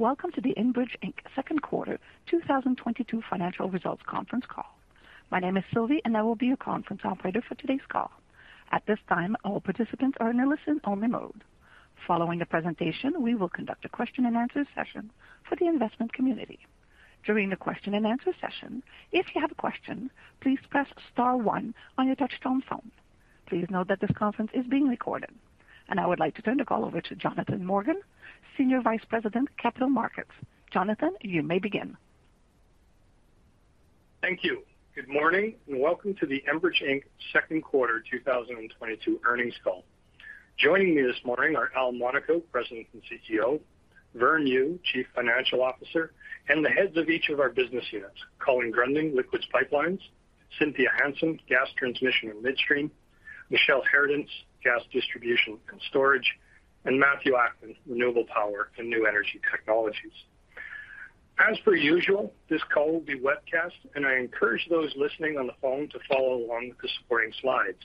Welcome to the Enbridge Inc. Second Quarter 2022 Financial Results Conference Call. My name is Sylvie, and I will be your conference operator for today's call. At this time, all participants are in a listen-only mode. Following the presentation, we will conduct a question-and-answer session for the investment community. During the question-and-answer session, if you have a question, please press star one on your touch-tone phone. Please note that this conference is being recorded. I would like to turn the call over to Jonathan Morgan, Senior Vice President, Capital Markets. Jonathan, you may begin. Thank you. Good morning, and welcome to the Enbridge Inc. Q2 2022 earnings call. Joining me this morning are Al Monaco, President and CEO, Vern Yu, Chief Financial Officer, and the heads of each of our business units, Colin Gruending, Liquids Pipelines, Cynthia Hansen, Gas Transmission and Midstream, Michele Harradence, Gas Distribution and Storage, and Matthew Akman, Renewable Power and New Energy Technologies. As per usual, this call will be webcast, and I encourage those listening on the phone to follow along with the supporting slides.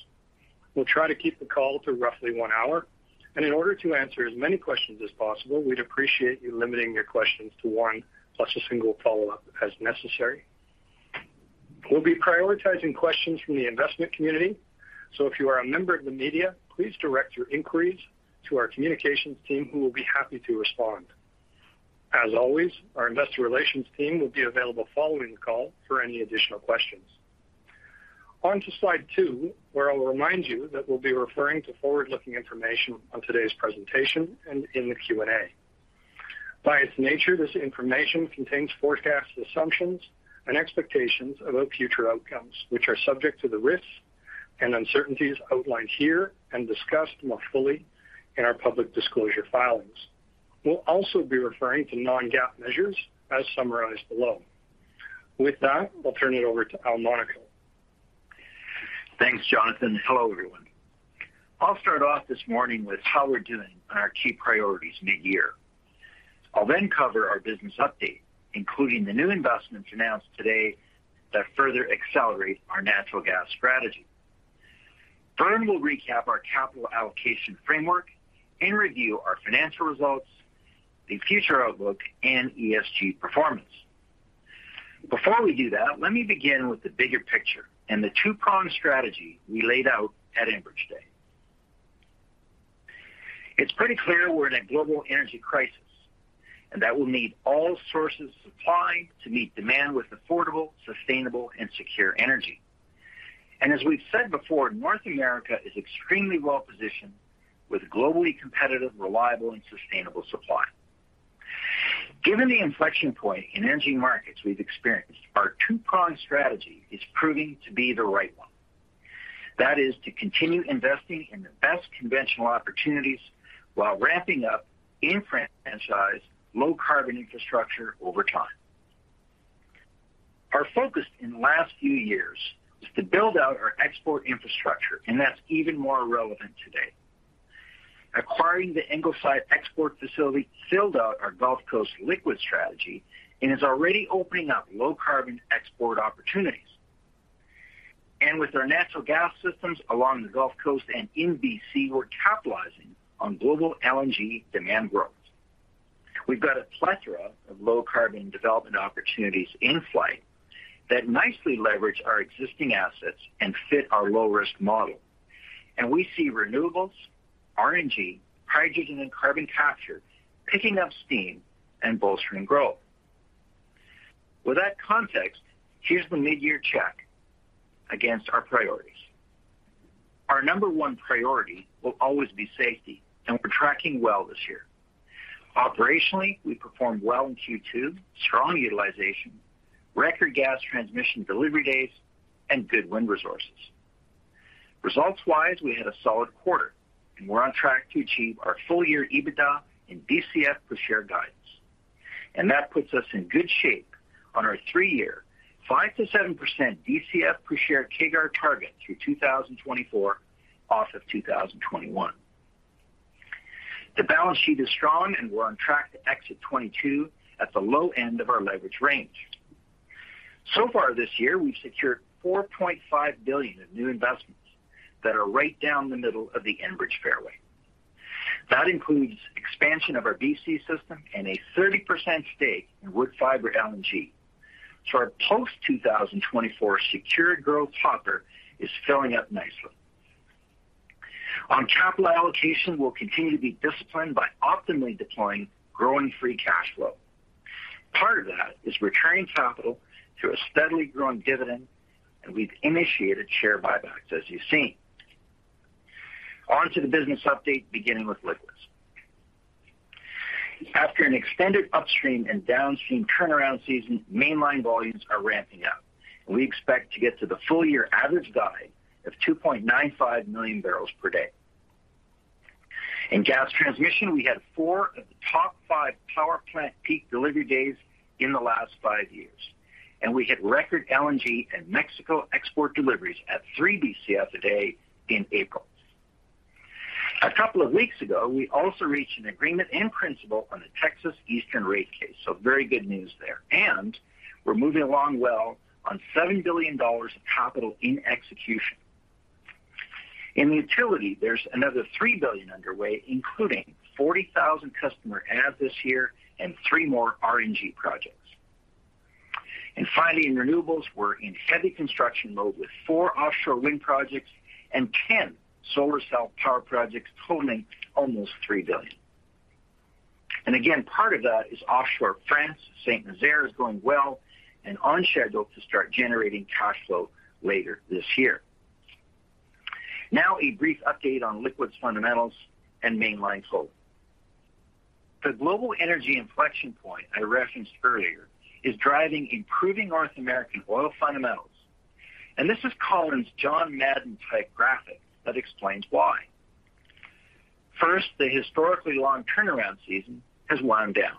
We'll try to keep the call to roughly one hour, and in order to answer as many questions as possible, we'd appreciate you limiting your questions to one plus a single follow-up as necessary. We'll be prioritizing questions from the investment community. If you are a member of the media, please direct your inquiries to our communications team, who will be happy to respond. As always, our investor relations team will be available following the call for any additional questions. On to slide two, where I will remind you that we'll be referring to forward-looking information on today's presentation and in the Q&A. By its nature, this information contains forecasts, assumptions, and expectations about future outcomes, which are subject to the risks and uncertainties outlined here and discussed more fully in our public disclosure filings. We'll also be referring to non-GAAP measures as summarized below. With that, I'll turn it over to Al Monaco. Thanks, Jonathan. Hello, everyone. I'll start off this morning with how we're doing on our key priorities mid-year. I'll then cover our business update, including the new investments announced today that further accelerate our natural gas strategy. Vern will recap our capital allocation framework and review our financial results, the future outlook, and ESG performance. Before we do that, let me begin with the bigger picture and the two-pronged strategy we laid out at Enbridge Day. It's pretty clear we're in a global energy crisis, and that we'll need all sources of supply to meet demand with affordable, sustainable, and secure energy. As we've said before, North America is extremely well-positioned with globally competitive, reliable, and sustainable supply. Given the inflection point in energy markets we've experienced, our two-pronged strategy is proving to be the right one. That is to continue investing in the best conventional opportunities while ramping up and franchise low-carbon infrastructure over time. Our focus in the last few years is to build out our export infrastructure, and that's even more relevant today. Acquiring the Ingleside export facility filled out our Gulf Coast liquid strategy and is already opening up low-carbon export opportunities. With our natural gas systems along the Gulf Coast and in B.C., we're capitalizing on global LNG demand growth. We've got a plethora of low-carbon development opportunities in flight that nicely leverage our existing assets and fit our low-risk model. We see renewables, RNG, hydrogen, and carbon capture picking up steam and bolstering growth. With that context, here's the mid-year check against our priorities. Our number one priority will always be safety, and we're tracking well this year. Operationally, we performed well in Q2, strong utilization, record gas transmission delivery days, and good wind resources. Results-wise, we had a solid quarter, and we're on track to achieve our full-year EBITDA and DCF per share guidance. That puts us in good shape on our three year 5%-7% DCF per share CAGR target through 2024, off of 2021. The balance sheet is strong, and we're on track to exit 2022 at the low end of our leverage range. So far this year, we've secured 4.5 billion of new investments that are right down the middle of the Enbridge fairway. That includes expansion of our B.C. system and a 30% stake in Woodfibre LNG. Our post-2024 secured growth hopper is filling up nicely. On capital allocation, we'll continue to be disciplined by optimally deploying growing free cash flow. Part of that is returning capital to a steadily growing dividend, and we've initiated share buybacks, as you've seen. On to the business update, beginning with liquids. After an extended upstream and downstream turnaround season, Mainline volumes are ramping up. We expect to get to the full-year average guide of 2.95 million barrels per day. In gas transmission, we had four of the top five power plant peak delivery days in the last five years, and we hit record LNG and Mexico export deliveries at three BCF a day in April. A couple of weeks ago, we also reached an agreement in principle on the Texas Eastern rate case. Very good news there. We're moving along well on 7 billion dollars of capital in execution. In utility, there's another 3 billion underway, including 40,000 customer adds this year and three more RNG projects. Finally, in renewables, we're in heavy construction mode with four offshore wind projects and ten solar self-power projects totaling almost 3 billion. Again, part of that is offshore France. Saint-Nazaire is going well and on schedule to start generating cash flow later this year. Now a brief update on liquids fundamentals and Mainline tolling. The global energy inflection point I referenced earlier is driving improving North American oil fundamentals. This is Colin's John Madden-type graphic that explains why. First, the historically long turnaround season has wound down.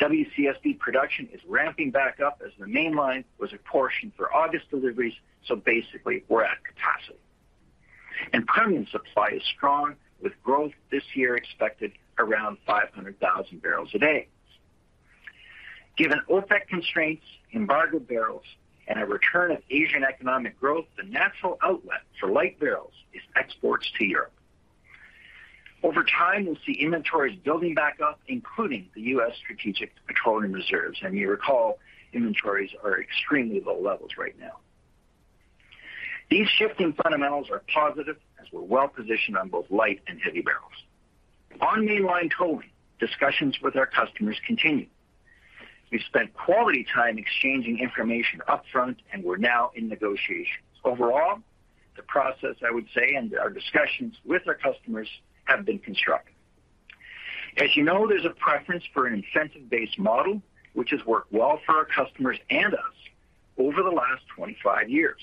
WCSB production is ramping back up as the Mainline was apportioned for August deliveries, so basically we're at capacity. Permian supply is strong, with growth this year expected around 500,000 barrels a day. Given OPEC constraints, embargoed barrels, and a return of Asian economic growth, the natural outlet for light barrels is exports to Europe. Over time, we'll see inventories building back up, including the U.S. Strategic Petroleum Reserves. You recall, inventories are extremely low levels right now. These shifting fundamentals are positive as we're well-positioned on both light and heavy barrels. On Mainline tolling, discussions with our customers continue. We've spent quality time exchanging information upfront, and we're now in negotiations. Overall, the process I would say, and our discussions with our customers have been constructive. As you know, there's a preference for an incentive-based model, which has worked well for our customers and us over the last 25 years.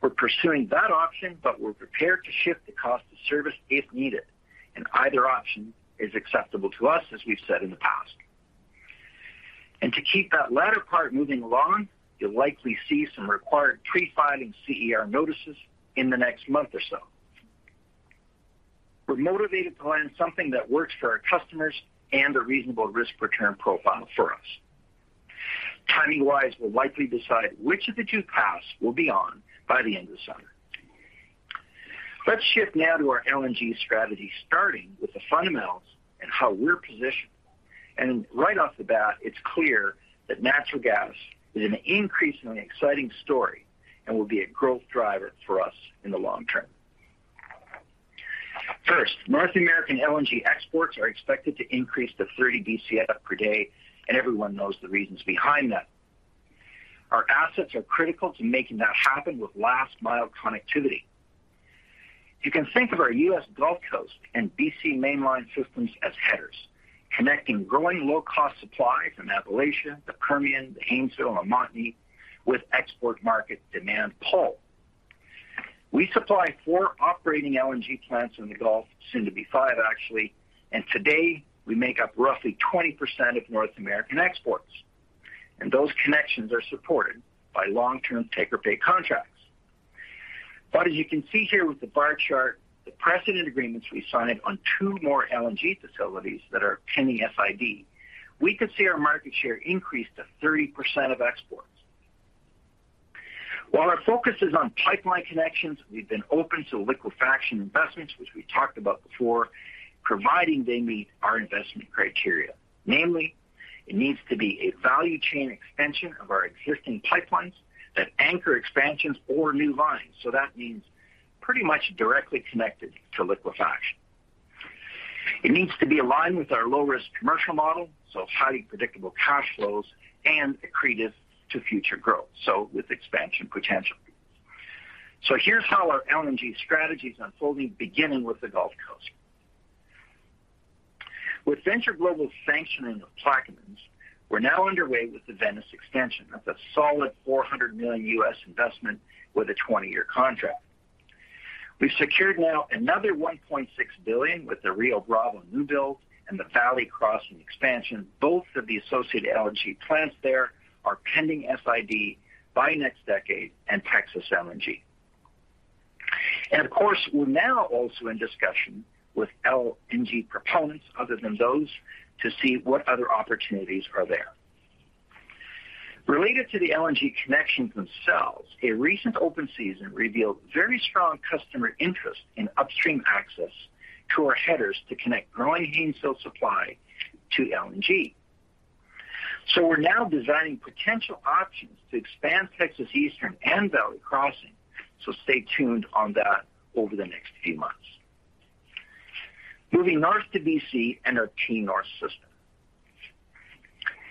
We're pursuing that option, but we're prepared to shift the cost to service if needed. Either option is acceptable to us, as we've said in the past. To keep that latter part moving along, you'll likely see some required pre-filing CER notices in the next month or so. We're motivated to land something that works for our customers and a reasonable risk return profile for us. Timing-wise, we'll likely decide which of the two paths we'll be on by the end of the summer. Let's shift now to our LNG strategy, starting with the fundamentals and how we're positioned. Right off the bat, it's clear that natural gas is an increasingly exciting story and will be a growth driver for us in the long term. First, North American LNG exports are expected to increase to 30 BCF per day, and everyone knows the reasons behind that. Our assets are critical to making that happen with last-mile connectivity. You can think of our U.S. Gulf Coast and B.C. Mainline systems as headers, connecting growing low-cost supply from Appalachia, the Permian, the Haynesville, and Montney with export market demand pull. We supply four operating LNG plants in the Gulf, soon to be five actually, and today we make up roughly 20% of North American exports. Those connections are supported by long-term take-or-pay contracts. As you can see here with the bar chart, the precedent agreements we signed on two more LNG facilities that are pending FID, we could see our market share increase to 30% of exports. While our focus is on pipeline connections, we've been open to liquefaction investments, which we talked about before, providing they meet our investment criteria. Namely, it needs to be a value chain extension of our existing pipelines that anchor expansions or new lines. That means pretty much directly connected to liquefaction. It needs to be aligned with our low-risk commercial model, so highly predictable cash flows and accretive to future growth, so with expansion potential. Here's how our LNG strategy is unfolding, beginning with the Gulf Coast. With Venture Global's sanctioning of Plaquemines, we're now underway with the Venice expansion. That's a solid $400 million investment with a 20-year contract. We've secured now another $1.6 billion with the Rio Bravo new build and the Valley Crossing expansion. Both of the associated LNG plants there are pending FID by NextDecade and Texas LNG. Of course, we're now also in discussion with LNG proponents other than those to see what other opportunities are there. Related to the LNG connections themselves, a recent open season revealed very strong customer interest in upstream access to our headers to connect growing Haynesville supply to LNG. We're now designing potential options to expand Texas Eastern and Valley Crossing, so stay tuned on that over the next few months. Moving north to B.C. and our T-North system.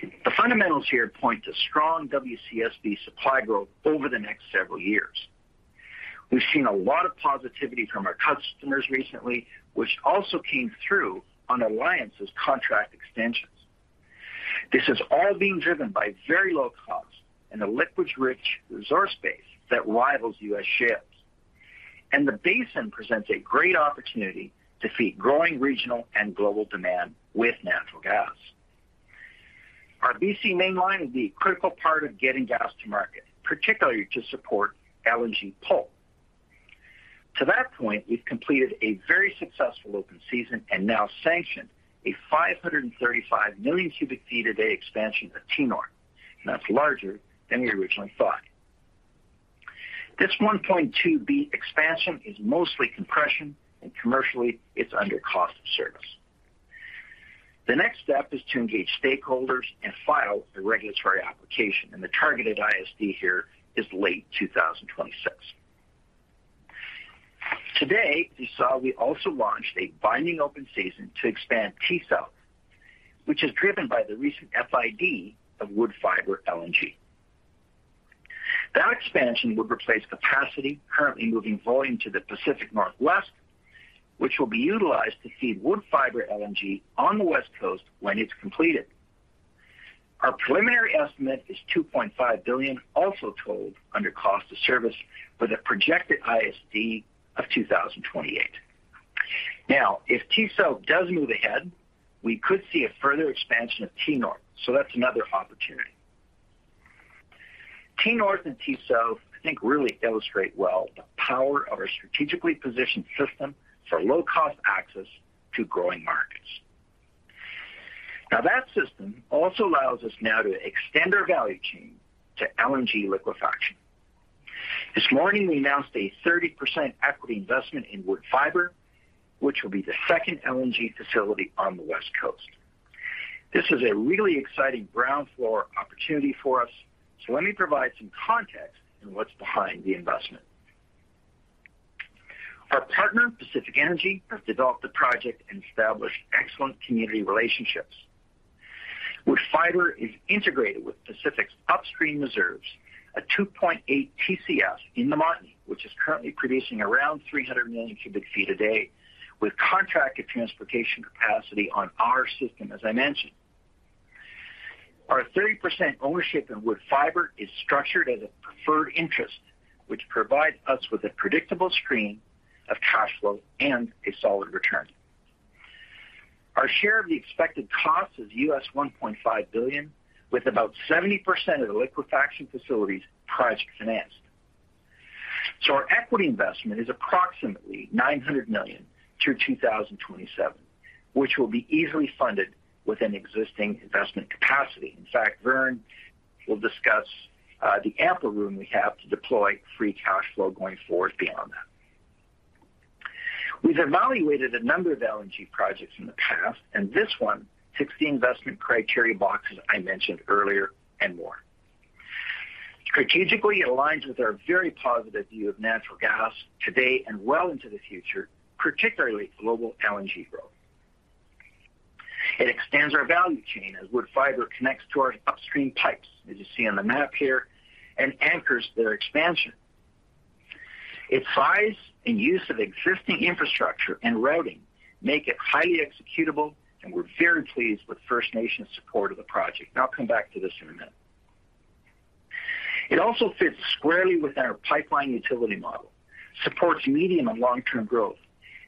The fundamentals here point to strong WCSB supply growth over the next several years. We've seen a lot of positivity from our customers recently, which also came through on Alliance's contract extensions. This is all being driven by very low costs and a liquids-rich resource base that rivals U.S. shales. The basin presents a great opportunity to feed growing regional and global demand with natural gas. Our B.C. Mainline is a critical part of getting gas to market, particularly to support LNG pull. To that point, we've completed a very successful open season and now sanction a 535 million cubic feet a day expansion of T-North. That's larger than we originally thought. This 1.2 billion expansion is mostly compression, and commercially, it's under cost of service. The next step is to engage stakeholders and file the regulatory application, and the targeted ISD here is late 2026. Today, you saw we also launched a binding open season to expand T-South, which is driven by the recent FID of Woodfibre LNG. That expansion would replace capacity currently moving volume to the Pacific Northwest, which will be utilized to feed Woodfibre LNG on the West Coast when it's completed. Our preliminary estimate is 2.5 billion, also tolled under cost of service with a projected ISD of 2028. If T-South does move ahead, we could see a further expansion of T-North. That's another opportunity. T-North and T-South, I think, really illustrate well the power of our strategically positioned system for low-cost access to growing markets. Now, that system also allows us now to extend our value chain to LNG liquefaction. This morning, we announced a 30% equity investment in Woodfibre, which will be the second LNG facility on the West Coast. This is a really exciting ground-floor opportunity for us, so let me provide some context on what's behind the investment. Our partner, Pacific Energy, has developed a project and established excellent community relationships. Woodfibre is integrated with Pacific's upstream reserves, a 2.8 TCF in the Montney, which is currently producing around 300 million cubic feet a day, with contracted transportation capacity on our system, as I mentioned. Our 30% ownership in Woodfibre LNG is structured as a preferred interest, which provides us with a predictable stream of cash flow and a solid return. Our share of the expected cost is $1.5 billion, with about 70% of the liquefaction facilities project financed. Our equity investment is approximately $900 million through 2027, which will be easily funded within existing investment capacity. In fact, Vern Yu will discuss the ample room we have to deploy free cash flow going forward beyond that. We've evaluated a number of LNG projects in the past, and this one ticks the investment criteria boxes I mentioned earlier and more. Strategically, it aligns with our very positive view of natural gas today and well into the future, particularly global LNG growth. It extends our value chain as Woodfibre connects to our upstream pipes, as you see on the map here, and anchors their expansion. Its size and use of existing infrastructure and routing make it highly executable, and we're very pleased with Squamish Nation's support of the project, and I'll come back to this in a minute. It also fits squarely within our pipeline utility model, supports medium- and long-term growth,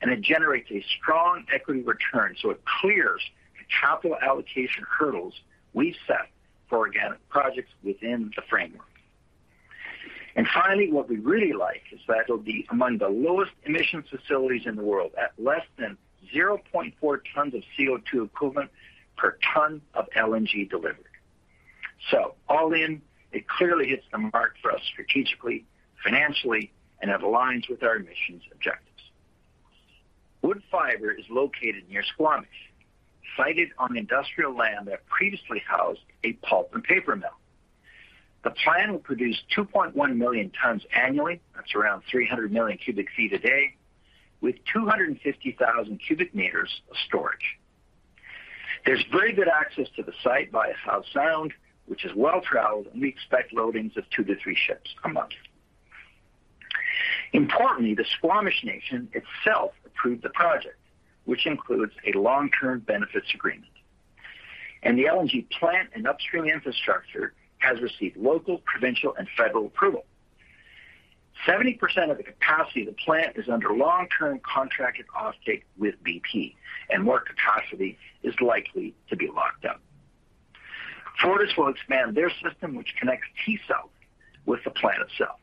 and it generates a strong equity return, so it clears the capital allocation hurdles we set for organic projects within the framework. Finally, what we really like is that it'll be among the lowest-emission facilities in the world at less than 0.4 tons of CO₂ equivalent per ton of LNG delivered. All in, it clearly hits the mark for us strategically, financially, and it aligns with our emissions objectives. Woodfibre LNG is located near Squamish, sited on industrial land that previously housed a pulp and paper mill. The plant will produce 2.1 million tons annually, that's around 300 million cubic feet a day, with 250,000 cubic meters of storage. There's very good access to the site via Howe Sound, which is well-traveled, and we expect loadings of 2 ships-3 ships a month. Importantly, the Squamish Nation itself approved the project, which includes a long-term benefits agreement. The LNG plant and upstream infrastructure has received local, provincial, and federal approval. 70% of the capacity of the plant is under long-term contracted offtake with BP, and more capacity is likely to be locked up. FortisBC will expand their system, which connects T-South with the plant itself.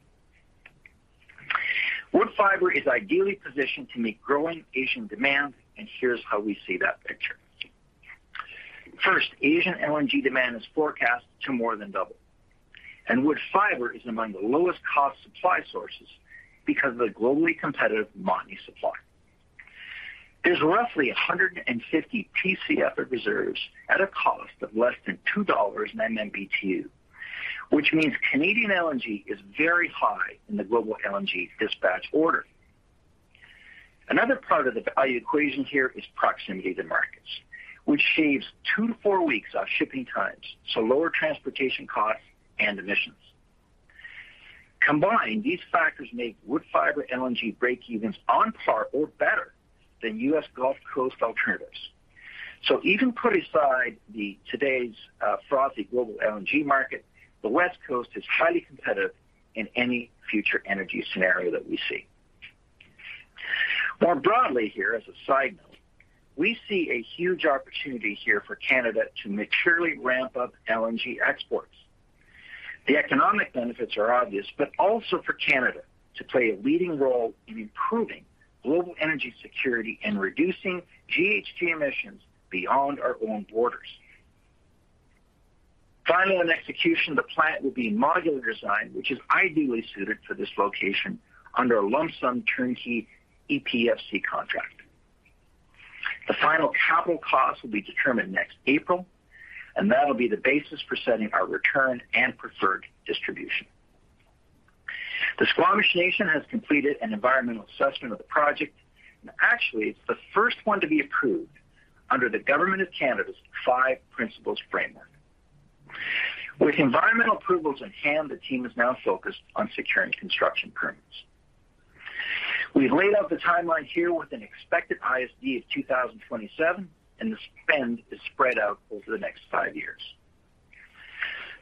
Woodfibre LNG is ideally positioned to meet growing Asian demand, and here's how we see that picture. First, Asian LNG demand is forecast to more than double. Woodfibre LNG is among the lowest-cost supply sources because of the globally competitive Montney supply. There's roughly 150 TCF of reserves at a cost of less than $2/MMBTU, which means Canadian LNG is very high in the global LNG dispatch order. Another part of the value equation here is proximity to markets, which shaves 2 weeks-4 weeks off shipping times, so lower transportation costs and emissions. Combined, these factors make Woodfibre LNG breakevens on par or better than U.S. Gulf Coast alternatives. Even put aside today's frothy global LNG market, the West Coast is highly competitive in any future energy scenario that we see. More broadly here, as a side note, we see a huge opportunity here for Canada to materially ramp up LNG exports. The economic benefits are obvious, but also for Canada to play a leading role in improving global energy security and reducing GHG emissions beyond our own borders. Finally in execution, the plant will be a modular design, which is ideally suited for this location under a lump sum turnkey EPCC contract. The final capital cost will be determined next April, and that'll be the basis for setting our return and preferred distribution. The Squamish Nation has completed an environmental assessment of the project, and actually, it's the first one to be approved under the government of Canada's Five Principles framework. With environmental approvals in hand, the team is now focused on securing construction permits. We've laid out the timeline here with an expected ISD of 2027, and the spend is spread out over the next five years.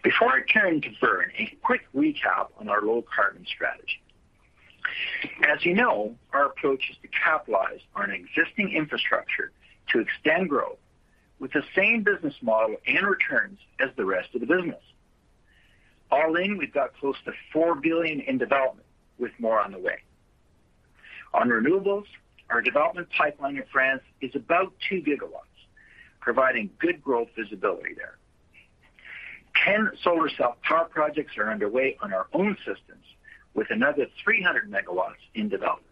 Before I turn to Vern, a quick recap on our low-carbon strategy. As you know, our approach is to capitalize on existing infrastructure to extend growth with the same business model and returns as the rest of the business. All in, we've got close to 4 billion in development with more on the way. On renewables, our development pipeline in France is about 2 GW, providing good growth visibility there. 10 solar cell power projects are underway on our own systems with another 300 MW in development.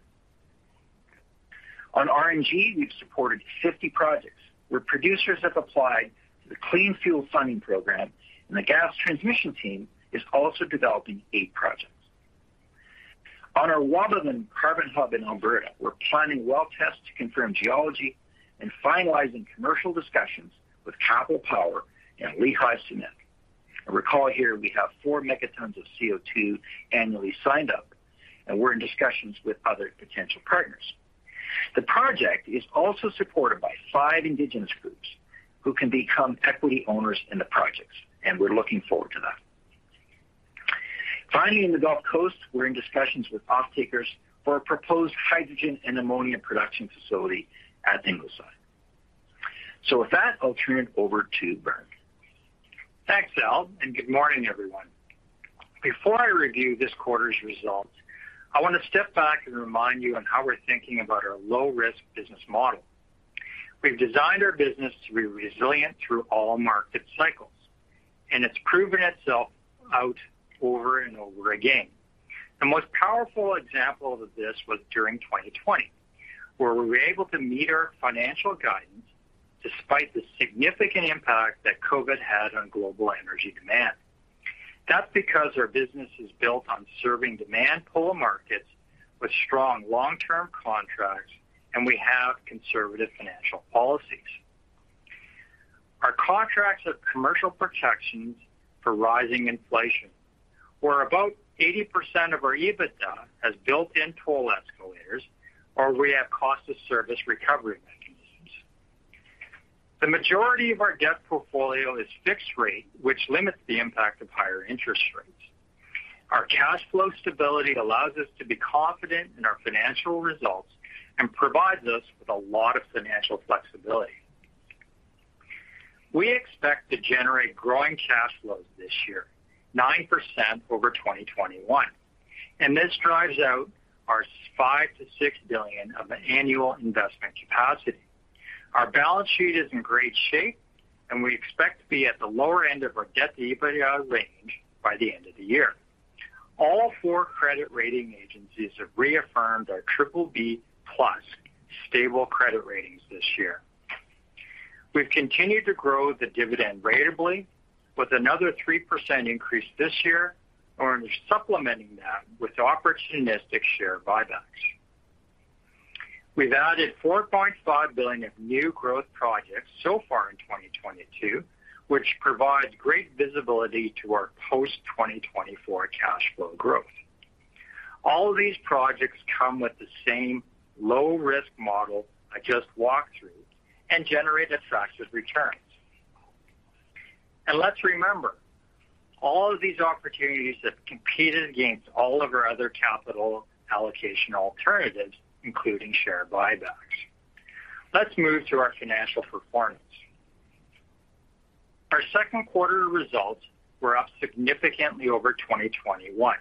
On RNG, we've supported 50 projects where producers have applied to the Clean Fuels Fund program, and the gas transmission team is also developing eight projects. On our Wabamun Carbon Hub in Alberta, we're planning well tests to confirm geology and finalizing commercial discussions with Capital Power and Lehigh Cement. Recall here we have 4 megatons of CO₂ annually signed up, and we're in discussions with other potential partners. The project is also supported by five Indigenous groups who can become equity owners in the projects, and we're looking forward to that. Finally, in the Gulf Coast, we're in discussions with off-takers for a proposed hydrogen and ammonia production facility at Ingleside. With that, I'll turn it over to Vern. Thanks, Al, and good morning, everyone. Before I review this quarter's results, I want to step back and remind you on how we're thinking about our low-risk business model. We've designed our business to be resilient through all market cycles, and it's proven itself out over and over again. The most powerful example of this was during 2020, where we were able to meet our financial guidance despite the significant impact that COVID had on global energy demand. That's because our business is built on serving demand pool markets with strong long-term contracts, and we have conservative financial policies. Our contracts have commercial protections for rising inflation, where about 80% of our EBITDA has built-in toll escalators or we have cost of service recovery mechanisms. The majority of our debt portfolio is fixed rate, which limits the impact of higher interest rates. Our cash flow stability allows us to be confident in our financial results and provides us with a lot of financial flexibility. We expect to generate growing cash flows this year, 9% over 2021, and this drives out our 5 billion-6 billion of annual investment capacity. Our balance sheet is in great shape, and we expect to be at the lower end of our debt-to-EBITDA range by the end of the year. All four credit rating agencies have reaffirmed our triple B-plus stable credit ratings this year. We've continued to grow the dividend ratably with another 3% increase this year. We're supplementing that with opportunistic share buybacks. We've added 4.5 billion of new growth projects so far in 2022, which provides great visibility to our post-2024 cash flow growth. All these projects come with the same low-risk model I just walked through and generate attractive returns. Let's remember, all of these opportunities have competed against all of our other capital allocation alternatives, including share buybacks. Let's move to our financial performance. Our second quarter results were up significantly over 2021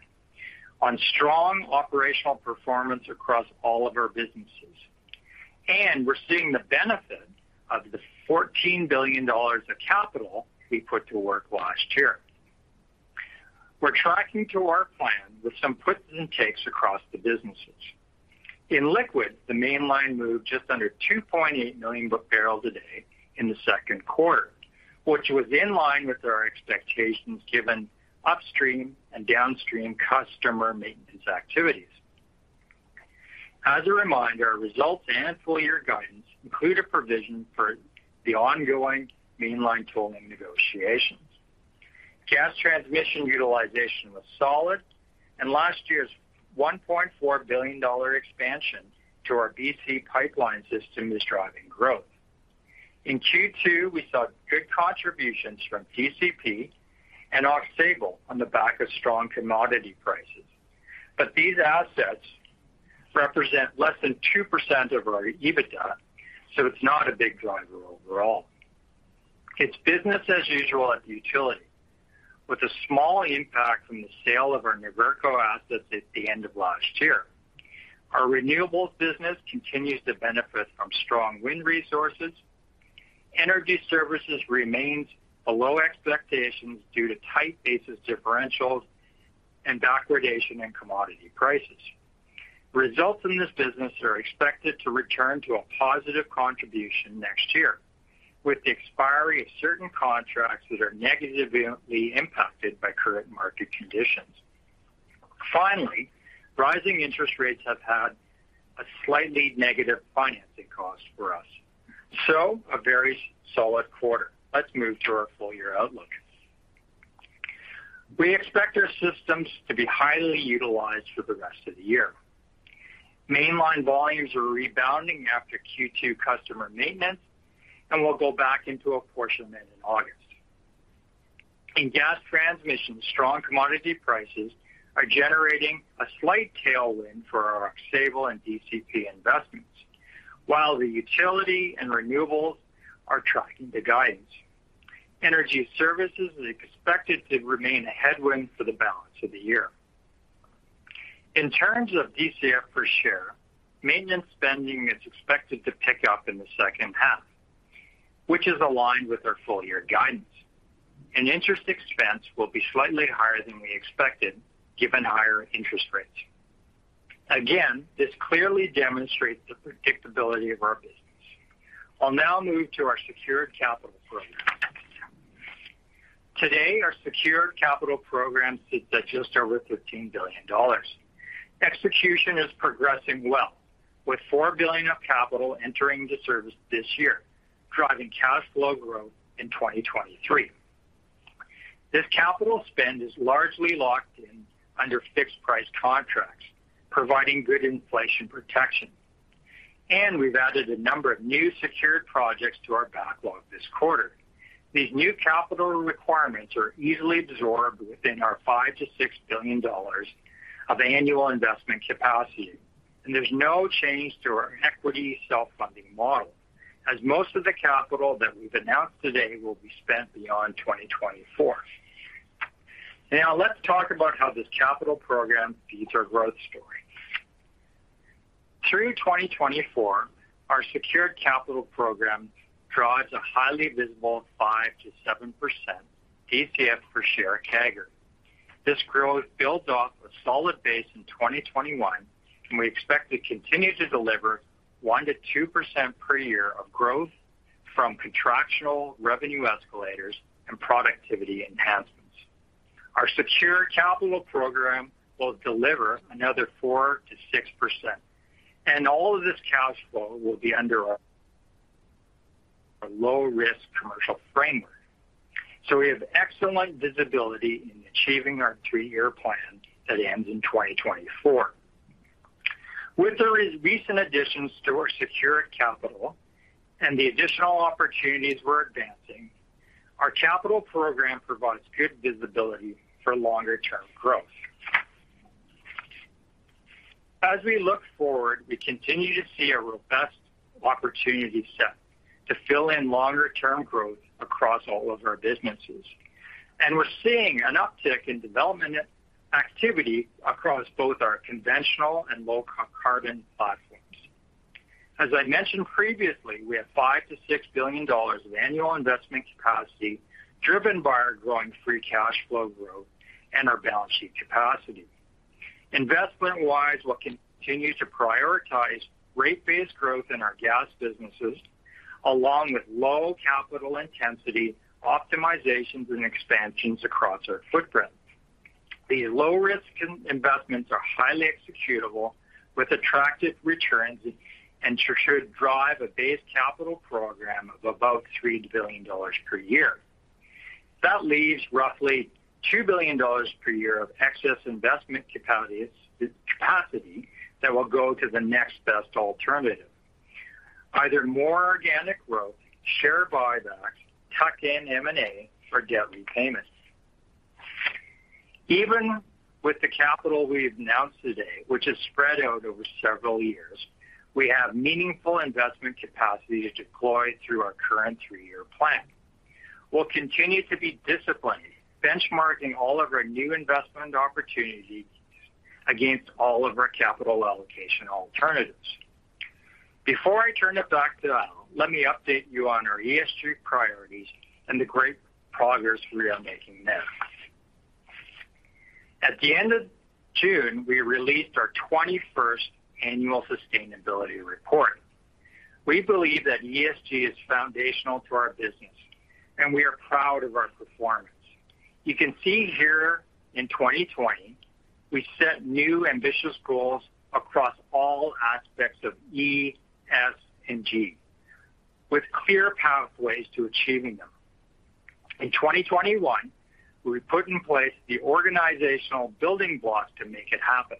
on strong operational performance across all of our businesses. We're seeing the benefit of the 14 billion dollars of capital we put to work last year. We're tracking to our plan with some puts and takes across the businesses. In liquids, the Mainline moved just under 2.8 million barrels a day in the second quarter, which was in line with our expectations given upstream and downstream customer maintenance activities. As a reminder, our results and full-year guidance include a provision for the ongoing Mainline tolling negotiations. Gas transmission utilization was solid and last year's 1.4 billion dollar expansion to our B.C. Pipeline system is driving growth. In Q2, we saw good contributions from DCP and Aux Sable on the back of strong commodity prices. These assets represent less than 2% of our EBITDA, so it's not a big driver overall. It's business as usual at utility, with a small impact from the sale of our New York assets at the end of last year. Our renewables business continues to benefit from strong wind resources. Energy services remains below expectations due to tight basis differentials and backwardation in commodity prices. Results in this business are expected to return to a positive contribution next year, with the expiry of certain contracts that are negatively impacted by current market conditions. Finally, rising interest rates have had a slightly negative financing cost for us. A very solid quarter. Let's move to our full-year outlook. We expect our systems to be highly utilized for the rest of the year. Mainline volumes are rebounding after Q2 customer maintenance, and we'll go back into a portion then in August. In gas transmission, strong commodity prices are generating a slight tailwind for our stable and DCP investments. While the utility and renewables are tracking to guidance. Energy services is expected to remain a headwind for the balance of the year. In terms of DCF per share, maintenance spending is expected to pick up in the second half, which is aligned with our full-year guidance. Interest expense will be slightly higher than we expected, given higher interest rates. Again, this clearly demonstrates the predictability of our business. I'll now move to our secured capital program. Today, our secured capital program sits at just over 15 billion dollars. Execution is progressing well, with 4 billion of capital entering the service this year, driving cash flow growth in 2023. This capital spend is largely locked in under fixed-price contracts, providing good inflation protection. We've added a number of new secured projects to our backlog this quarter. These new capital requirements are easily absorbed within our 5-6 billion dollars of annual investment capacity, and there's no change to our equity self-funding model, as most of the capital that we've announced today will be spent beyond 2024. Now, let's talk about how this capital program feeds our growth story. Through 2024, our secured capital program drives a highly visible 5%-7% DCF per share CAGR. This growth builds off a solid base in 2021, and we expect to continue to deliver 1%-2% per year of growth from contractual revenue escalators and productivity enhancements. Our secure capital program will deliver another 4%-6%, and all of this cash flow will be under our low-risk commercial framework. We have excellent visibility in achieving our three year plan that ends in 2024. With the recent additions to our secure capital and the additional opportunities we're advancing, our capital program provides good visibility for longer-term growth. As we look forward, we continue to see a robust opportunity set to fill in longer-term growth across all of our businesses. We're seeing an uptick in development activity across both our conventional and low-carbon platforms. As I mentioned previously, we have 5 billion-6 billion dollars of annual investment capacity driven by our growing free cash flow growth and our balance sheet capacity. Investment-wise, we'll continue to prioritize rate-based growth in our gas businesses, along with low capital intensity, optimizations, and expansions across our footprint. The low-risk investments are highly executable with attractive returns and should drive a base capital program of about 3 billion dollars per year. That leaves roughly 2 billion dollars per year of excess investment capacity that will go to the next best alternative. Either more organic growth, share buybacks, tuck-in M&A or debt repayments. Even with the capital we've announced today, which is spread out over several years, we have meaningful investment capacity to deploy through our current three-year plan. We'll continue to be disciplined, benchmarking all of our new investment opportunities against all of our capital allocation alternatives. Before I turn it back to Al, let me update you on our ESG priorities and the great progress we are making there. At the end of June, we released our 21st annual sustainability report. We believe that ESG is foundational to our business, and we are proud of our performance. You can see here in 2020, we set new ambitious goals across all aspects of E, S, and G, with clear pathways to achieving them. In 2021, we put in place the organizational building blocks to make it happen,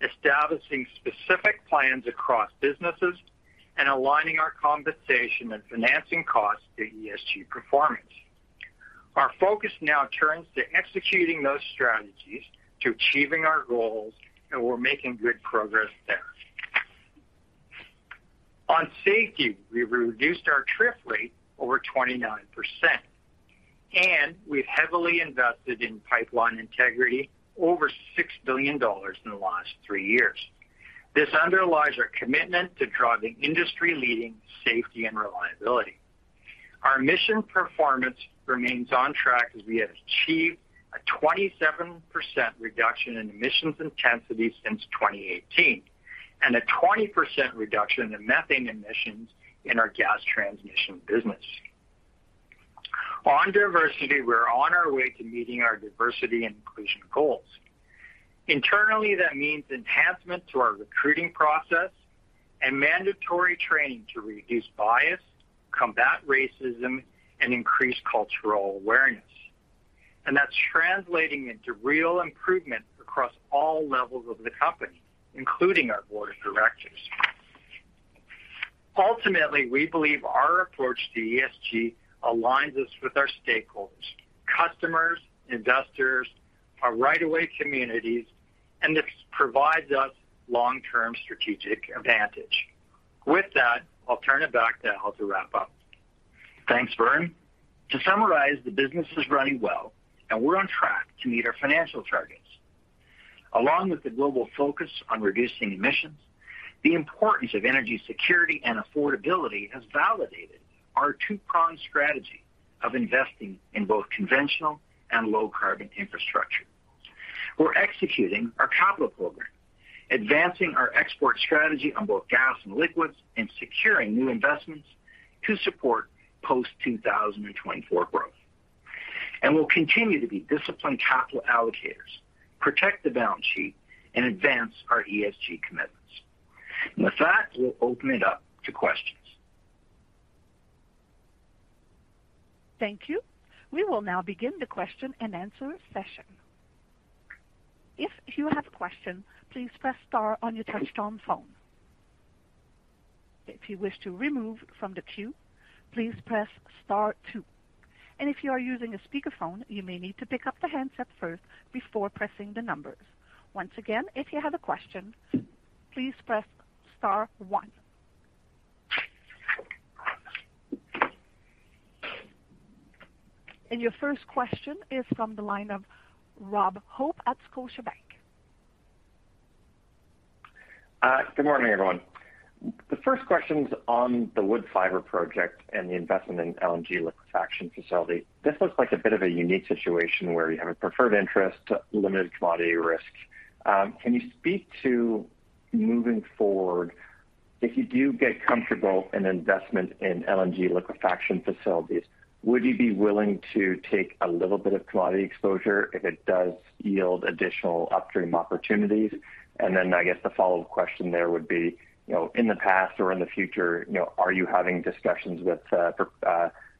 establishing specific plans across businesses and aligning our compensation and financing costs to ESG performance. Our focus now turns to executing those strategies to achieving our goals, and we're making good progress there. On safety, we reduced our trip rate over 29%, and we've heavily invested in pipeline integrity over 6 billion dollars in the last three years. This underlies our commitment to driving industry-leading safety and reliability. Our emission performance remains on track as we have achieved a 27% reduction in emissions intensity since 2018, and a 20% reduction in methane emissions in our gas transmission business. On diversity, we're on our way to meeting our diversity and inclusion goals. Internally, that means enhancements to our recruiting process and mandatory training to reduce bias, combat racism, and increase cultural awareness. That's translating into real improvement across all levels of the company, including our board of directors. Ultimately, we believe our approach to ESG aligns us with our stakeholders, customers, investors, our right of way communities, and this provides us long-term strategic advantage. With that, I'll turn it back to Al to wrap up. Thanks, Vern. To summarize, the business is running well, and we're on track to meet our financial targets. Along with the global focus on reducing emissions, the importance of energy security and affordability has validated our two-pronged strategy of investing in both conventional and low-carbon infrastructure. We're executing our capital program, advancing our export strategy on both gas and liquids, and securing new investments to support post-2024 growth. We'll continue to be disciplined capital allocators, protect the balance sheet, and advance our ESG commitments. With that, we'll open it up to questions. Thank you. We will now begin the question-and-answer session. If you have a question, please press Star on your touchtone phone. If you wish to remove from the queue, please press star two. If you are using a speakerphone, you may need to pick up the handset first before pressing the numbers. Once again, if you have a question, please press Star one. Your first question is from the line of Rob Hope at Scotiabank. Good morning, everyone. The first question's on the Woodfibre project and the investment in LNG liquefaction facility. This looks like a bit of a unique situation where you have a preferred interest, limited commodity risk. Can you speak to moving forward, if you do get comfortable in investment in LNG liquefaction facilities, would you be willing to take a little bit of commodity exposure if it does yield additional upstream opportunities? I guess the follow-up question there would be, you know, in the past or in the future, you know, are you having discussions with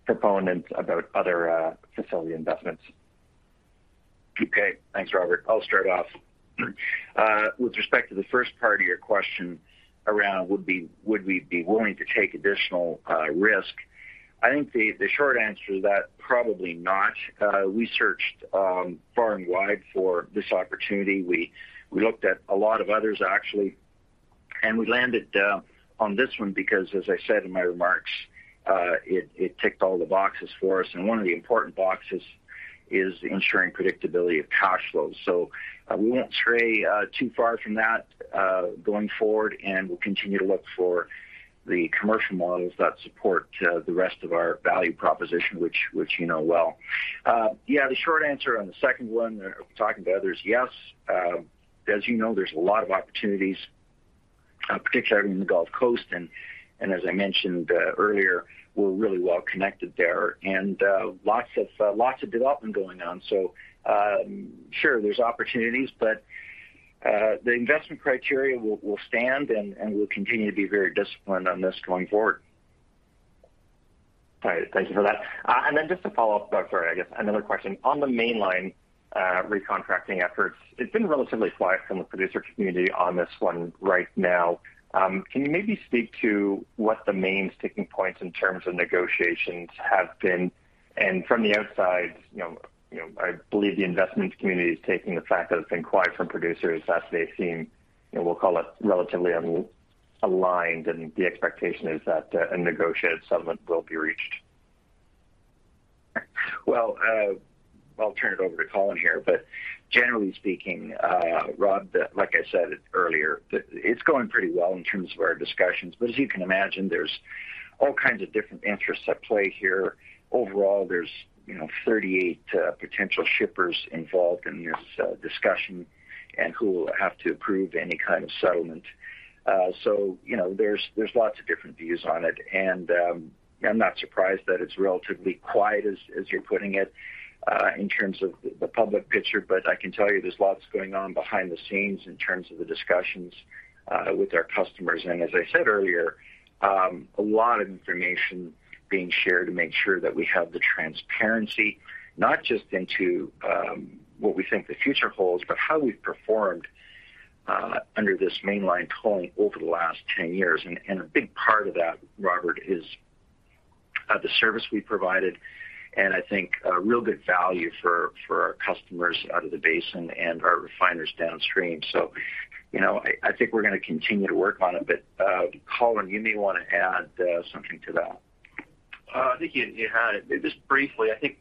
proponents about other facility investments? Okay. Thanks, Robert. I'll start off with respect to the first part of your question around would we be willing to take additional risk? I think the short answer to that, probably not. We searched far and wide for this opportunity. We looked at a lot of others actually, and we landed on this one because as I said in my remarks, it ticked all the boxes for us. One of the important boxes is ensuring predictability of cash flows. We won't stray too far from that going forward, and we'll continue to look for the commercial models that support the rest of our value proposition, which you know well. Yeah, the short answer on the second one, talking to others, yes. As you know, there's a lot of opportunities, particularly in the Gulf Coast. As I mentioned earlier, we're really well connected there and lots of development going on. Sure, there's opportunities, but the investment criteria will stand and we'll continue to be very disciplined on this going forward. All right. Thank you for that. Just to follow up, sorry, I guess another question. On the Mainline, recontracting efforts, it's been relatively quiet from the producer community on this one right now. Can you maybe speak to what the main sticking points in terms of negotiations have been? From the outside, you know, I believe the investment community is taking the fact that it's been quiet from producers as they seem, you know, we'll call it relatively aligned, and the expectation is that a negotiated settlement will be reached. Well, I'll turn it over to Colin here. Generally speaking, Rob, like I said earlier, it's going pretty well in terms of our discussions. As you can imagine, there's all kinds of different interests at play here. Overall, there's, you know, 38 potential shippers involved in this discussion and who will have to approve any kind of settlement. You know, there's lots of different views on it. I'm not surprised that it's relatively quiet as you're putting it in terms of the public picture. I can tell you there's lots going on behind the scenes in terms of the discussions with our customers. As I said earlier, a lot of information being shared to make sure that we have the transparency, not just into what we think the future holds, but how we've performed under this Mainline tolling over the last 10 years. A big part of that, Robert, is the service we provided, and I think a real good value for our customers out of the basin and our refiners downstream. You know, I think we're gonna continue to work on it, but Colin, you may wanna add something to that. I think you had it. Just briefly, I think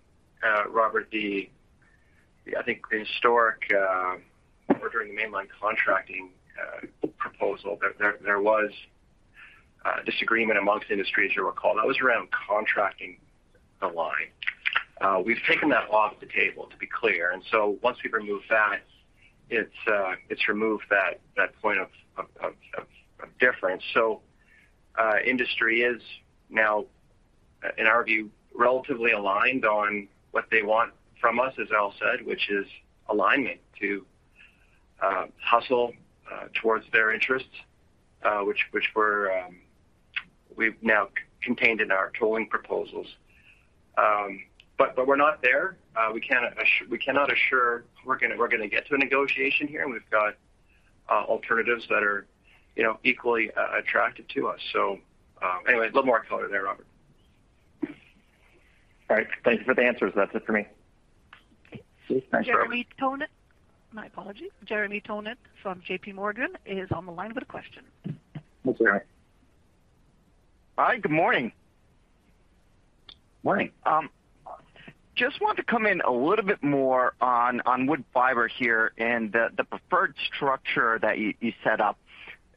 Robert, I think the historic ordering the Mainline contracting proposal there was disagreement among industry, as you'll recall. That was around contracting the line. We've taken that off the table, to be clear. Once we've removed that, it's removed that point of difference. Industry is now, in our view, relatively aligned on what they want from us, as Al said, which is alignment to hustle towards their interests, which we've now contained in our tolling proposals. We're not there. We cannot assure we're gonna get to a negotiation here, and we've got alternatives that are, you know, equally attractive to us. Anyway, a little more color there, Robert. All right. Thank you for the answers. That's it for me. Thanks, Robert. Jeremy Tonet. My apologies. Jeremy Tonet from J.P. Morgan is on the line with a question. Hi, Jeremy. Hi, good morning. Morning. Just wanted to comment a little bit more on Woodfibre here and the preferred structure that you set up.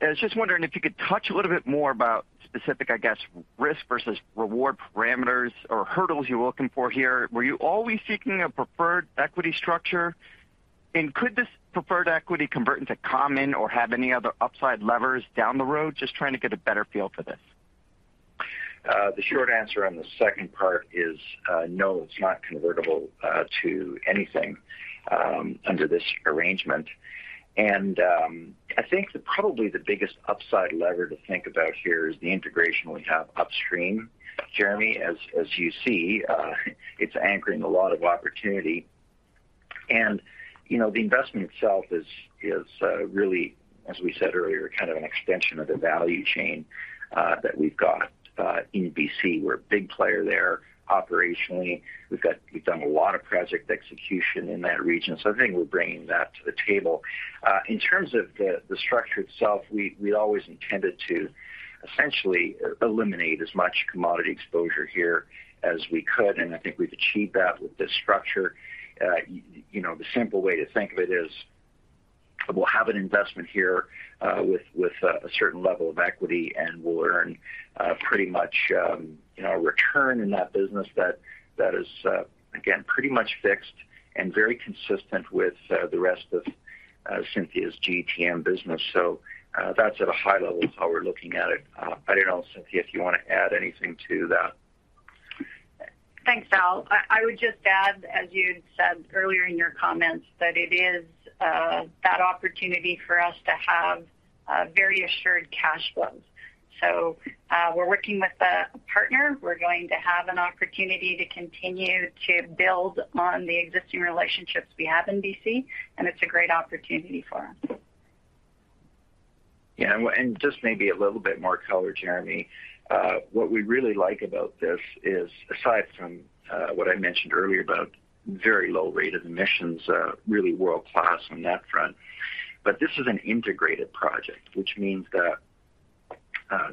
I was just wondering if you could touch a little bit more about specific, I guess, risk versus reward parameters or hurdles you're looking for here. Were you always seeking a preferred equity structure? Could this preferred equity convert into common or have any other upside levers down the road? Just trying to get a better feel for this. The short answer on the second part is no, it's not convertible to anything under this arrangement. I think that probably the biggest upside lever to think about here is the integration we have upstream, Jeremy, as you see, it's anchoring a lot of opportunity. You know, the investment itself is really, as we said earlier, kind of an extension of the value chain that we've got in B.C. We're a big player there operationally. We've done a lot of project execution in that region, so I think we're bringing that to the table. In terms of the structure itself, we always intended to essentially eliminate as much commodity exposure here as we could, and I think we've achieved that with this structure. You know, the simple way to think of it is we'll have an investment here, with a certain level of equity, and we'll earn pretty much you know a return in that business that is again pretty much fixed and very consistent with the rest of Cynthia's GTM business. That's at a high level how we're looking at it. I don't know, Cynthia, if you wanna add anything to that. Thanks, Al. I would just add, as you said earlier in your comments, that it is that opportunity for us to have very assured cash flows. We're working with a partner. We're going to have an opportunity to continue to build on the existing relationships we have in B.C., and it's a great opportunity for us. Yeah. Just maybe a little bit more color, Jeremy. What we really like about this is, aside from what I mentioned earlier about very low rate of emissions, really world-class on that front, but this is an integrated project, which means that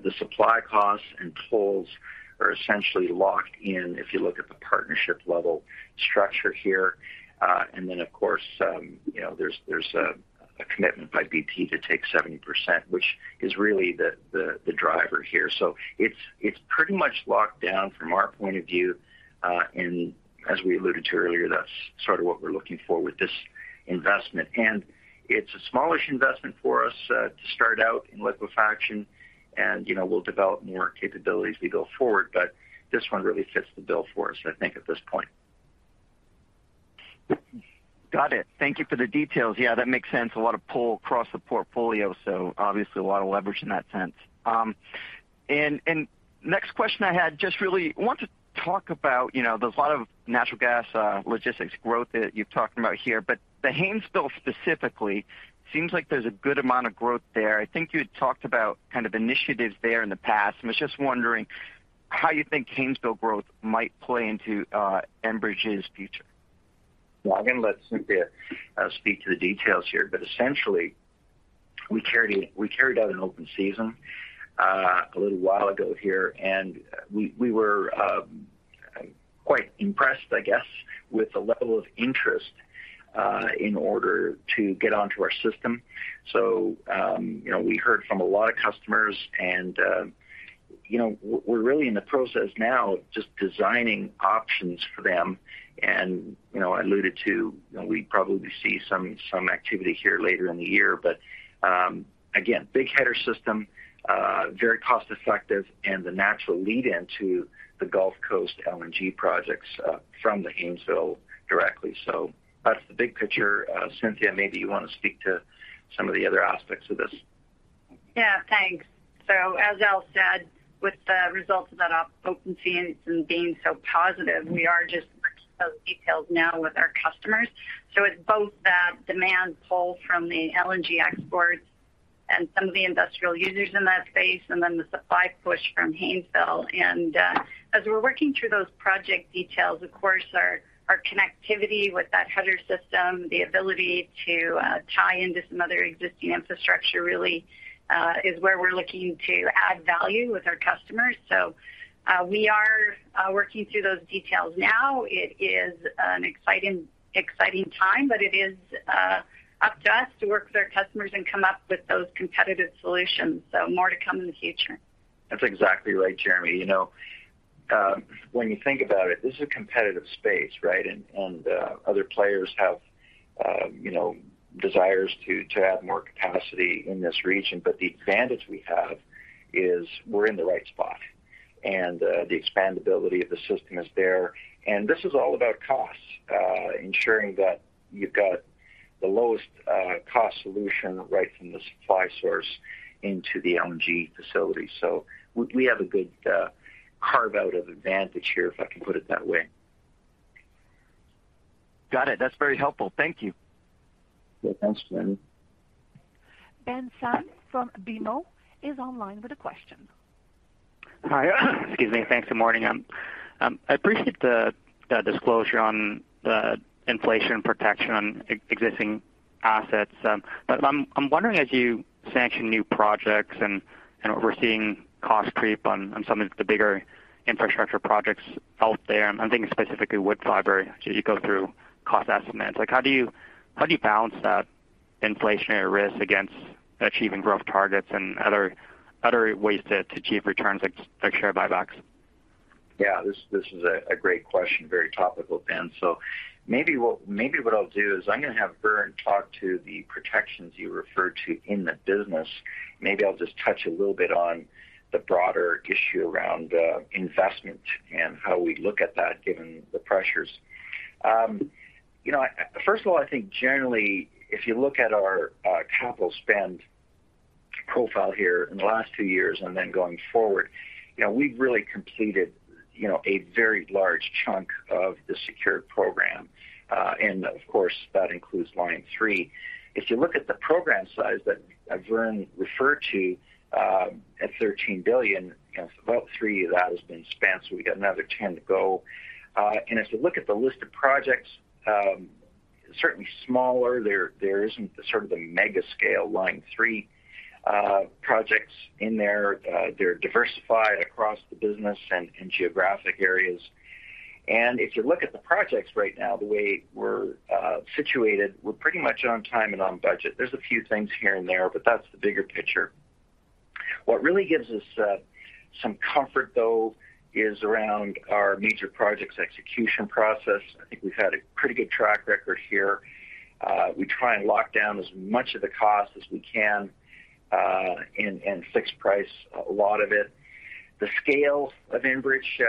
the supply costs and tolls are essentially locked in if you look at the partnership level structure here. Of course, you know, there's a commitment by BP to take 70%, which is really the driver here. It's pretty much locked down from our point of view, and as we alluded to earlier, that's sort of what we're looking for with this investment. It's a smallish investment for us to start out in liquefaction and, you know, we'll develop more capabilities as we go forward, but this one really fits the bill for us, I think, at this point. Got it. Thank you for the details. Yeah, that makes sense. A lot of pull across the portfolio, so obviously a lot of leverage in that sense. And next question I had, just really want to talk about, you know, there's a lot of natural gas logistics growth that you've talked about here, but the Haynesville specifically seems like there's a good amount of growth there. I think you had talked about kind of initiatives there in the past, and was just wondering how you think Haynesville growth might play into Enbridge's future. Well, I'm gonna let Cynthia speak to the details here, but essentially, we carried out an open season a little while ago here, and we were quite impressed, I guess, with the level of interest in order to get onto our system. You know, we heard from a lot of customers and, you know, we're really in the process now of just designing options for them. You know, I alluded to, you know, we'd probably see some activity here later in the year. Again, big header system, very cost-effective and the natural lead-in to the Gulf Coast LNG projects from the Haynesville directly. That's the big picture. Cynthia, maybe you wanna speak to some of the other aspects of this. Yeah. Thanks. As Al said, with the results of that open season being so positive, we are just working out details now with our customers. It's both that demand pull from the LNG exports and some of the industrial users in that space, and then the supply push from Haynesville. As we're working through those project details, of course, our connectivity with that header system, the ability to tie into some other existing infrastructure really is where we're looking to add value with our customers. We are working through those details now. It is an exciting time, but it is up to us to work with our customers and come up with those competitive solutions. More to come in the future. That's exactly right, Jeremy. You know, when you think about it, this is a competitive space, right? Other players have, you know, desires to add more capacity in this region. The advantage we have is we're in the right spot, and the expandability of the system is there. This is all about cost, ensuring that you've got the lowest cost solution right from the supply source into the LNG facility. We have a good carve-out of advantage here, if I can put it that way. Got it. That's very helpful. Thank you. Yeah. Thanks, Jeremy. Ben Pham from BMO is online with a question. I appreciate the disclosure on the inflation protection on existing assets. I'm wondering, as you sanction new projects and we're seeing cost creep on some of the bigger infrastructure projects out there. I'm thinking specifically Woodfibre, as you go through cost estimates. Like, how do you balance that inflationary risk against achieving growth targets and other ways to achieve returns like share buybacks? Yeah, this is a great question. Very topical, Ben. Maybe what I'll do is I'm gonna have Vern talk to the projections you referred to in the business. Maybe I'll just touch a little bit on the broader issue around investment and how we look at that given the pressures. You know, first of all, I think generally, if you look at our capital spend profile here in the last two years and then going forward, you know, we've really completed you know, a very large chunk of the secured program. Of course, that includes Line 3. If you look at the program size that Vern referred to at 13 billion, you know, about 3 billion of that has been spent, so we got another 10 billion to go. If you look at the list of projects, certainly smaller, there isn't the sort of the mega scale line three projects in there. They're diversified across the business and geographic areas. If you look at the projects right now, the way we're situated, we're pretty much on time and on budget. There's a few things here and there, but that's the bigger picture. What really gives us some comfort, though, is around our major projects execution process. I think we've had a pretty good track record here. We try and lock down as much of the cost as we can, and fixed price a lot of it. The scale of Enbridge,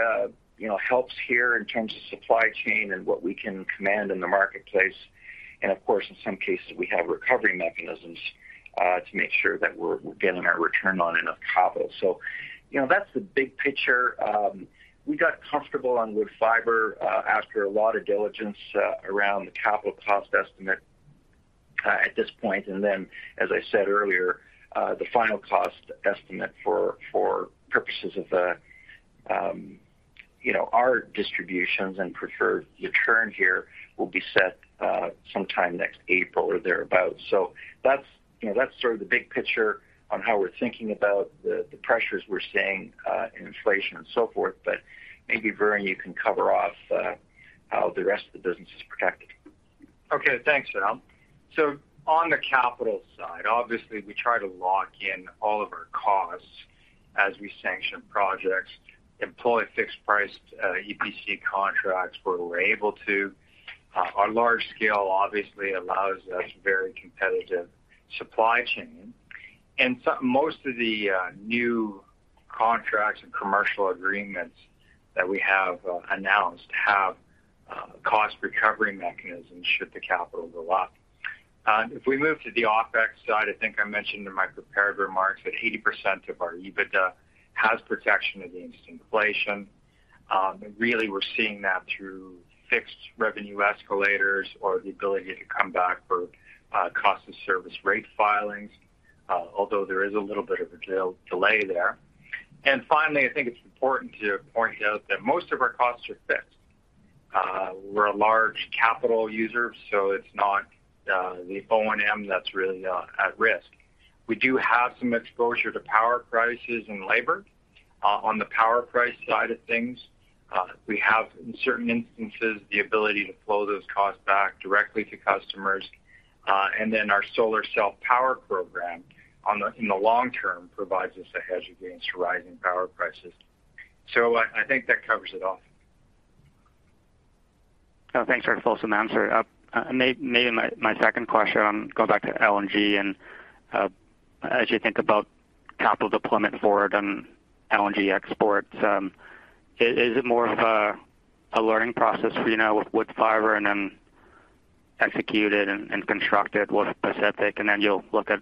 you know, helps here in terms of supply chain and what we can command in the marketplace. Of course, in some cases, we have recovery mechanisms to make sure that we're getting our return on enough capital. You know, that's the big picture. We got comfortable on Woodfibre after a lot of diligence around the capital cost estimate at this point. Then, as I said earlier, the final cost estimate for purposes of our distributions and preferred return here will be set sometime next April or thereabout. That's sort of the big picture on how we're thinking about the pressures we're seeing in inflation and so forth. Maybe, Vern, you can cover off how the rest of the business is protected. Okay. Thanks, Al. On the capital side, obviously we try to lock in all of our costs as we sanction projects, employ fixed price EPC contracts where we're able to. Our large scale obviously allows us very competitive supply chain. Most of the new contracts and commercial agreements that we have announced have cost recovery mechanisms should the capital go up. If we move to the OpEx side, I think I mentioned in my prepared remarks that 80% of our EBITDA has protection against inflation. Really we're seeing that through fixed revenue escalators or the ability to come back for cost of service rate filings, although there is a little bit of a delay there. Finally, I think it's important to point out that most of our costs are fixed. We're a large capital user, so it's not the O&M that's really at risk. We do have some exposure to power prices and labor. On the power price side of things, we have, in certain instances, the ability to flow those costs back directly to customers. Our solar self-power program in the long term provides us a hedge against rising power prices. I think that covers it all. Oh, thanks for the fulsome answer. Maybe my second question, going back to LNG and, as you think about capital deployment forward on LNG exports, is it more of a learning process for you now with Woodfibre and then? Executed and constructed with Pacific, and then you'll look at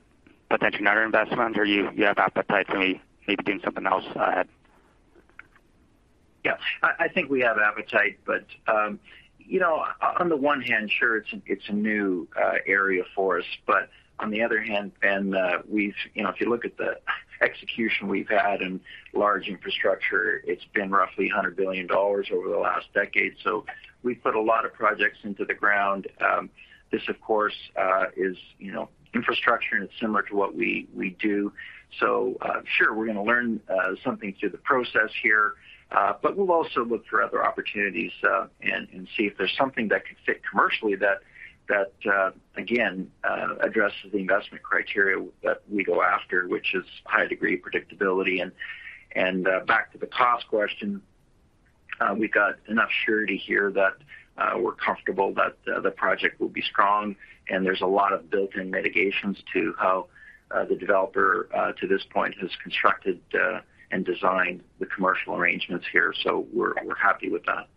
potentially another investment or you have appetite for maybe doing something else. Yeah. I think we have appetite, but you know, on the one hand, sure, it's a new area for us. On the other hand, we've... You know, if you look at the execution we've had in large infrastructure, it's been roughly 100 billion dollars over the last decade. We've put a lot of projects into the ground. This, of course, is, you know, infrastructure and it's similar to what we do. Sure, we're gonna learn something through the process here, but we'll also look for other opportunities, and see if there's something that could fit commercially that again addresses the investment criteria that we go after, which is high degree of predictability. Back to the cost question, we've got enough surety here that we're comfortable that the project will be strong, and there's a lot of built-in mitigations to how the developer to this point has constructed and designed the commercial arrangements here. We're happy with that.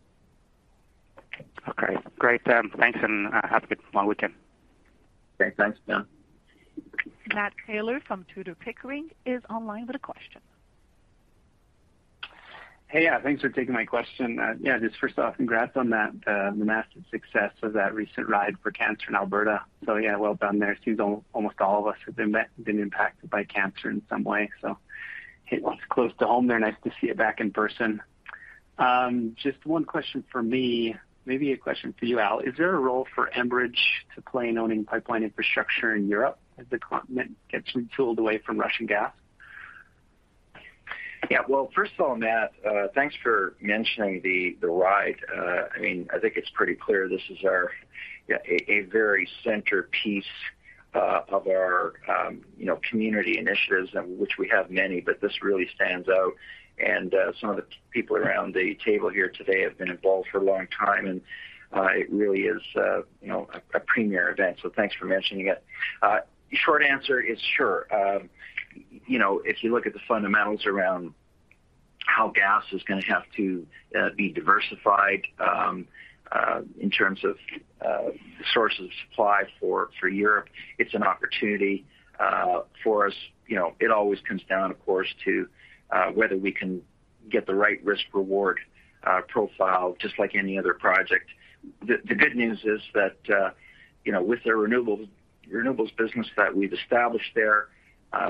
Okay. Great, thanks, and have a good long weekend. Okay. Thanks, Ben. Matt Taylor from Tudor, Pickering is online with a question. Hey. Yeah, thanks for taking my question. Yeah, just first off, congrats on that massive success of that recent Enbridge Tour Alberta for Cancer. So yeah, well done there. It seems almost all of us have been impacted by cancer in some way. So it was close to home there. Nice to see it back in person. Just one question for me, maybe a question for you, Al. Is there a role for Enbridge to play in owning pipeline infrastructure in Europe as the continent gets retooled away from Russian gas? Yeah. Well, first of all, Matt, thanks for mentioning the Ride. I mean, I think it's pretty clear this is a very centerpiece of our, you know, community initiatives, and which we have many, but this really stands out. Some of the people around the table here today have been involved for a long time, and it really is, you know, a premier event. Thanks for mentioning it. Short answer is sure. You know, if you look at the fundamentals around how gas is gonna have to be diversified in terms of sources of supply for Europe, it's an opportunity for us. You know, it always comes down, of course, to whether we can get the right risk-reward profile, just like any other project. The good news is that, you know, with the renewables business that we've established there,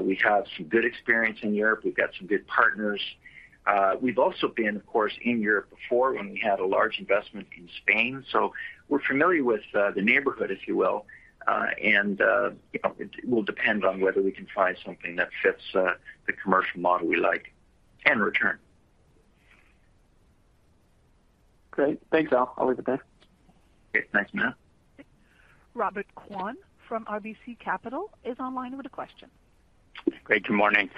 we have some good experience in Europe. We've got some good partners. We've also been, of course, in Europe before when we had a large investment in Spain, so we're familiar with the neighborhood, if you will. You know, it will depend on whether we can find something that fits the commercial model we like and return. Great. Thanks, Al. Have a good day. Okay. Thanks, Matt. Robert Kwan from RBC Capital Markets is online with a question. Great. Good morning.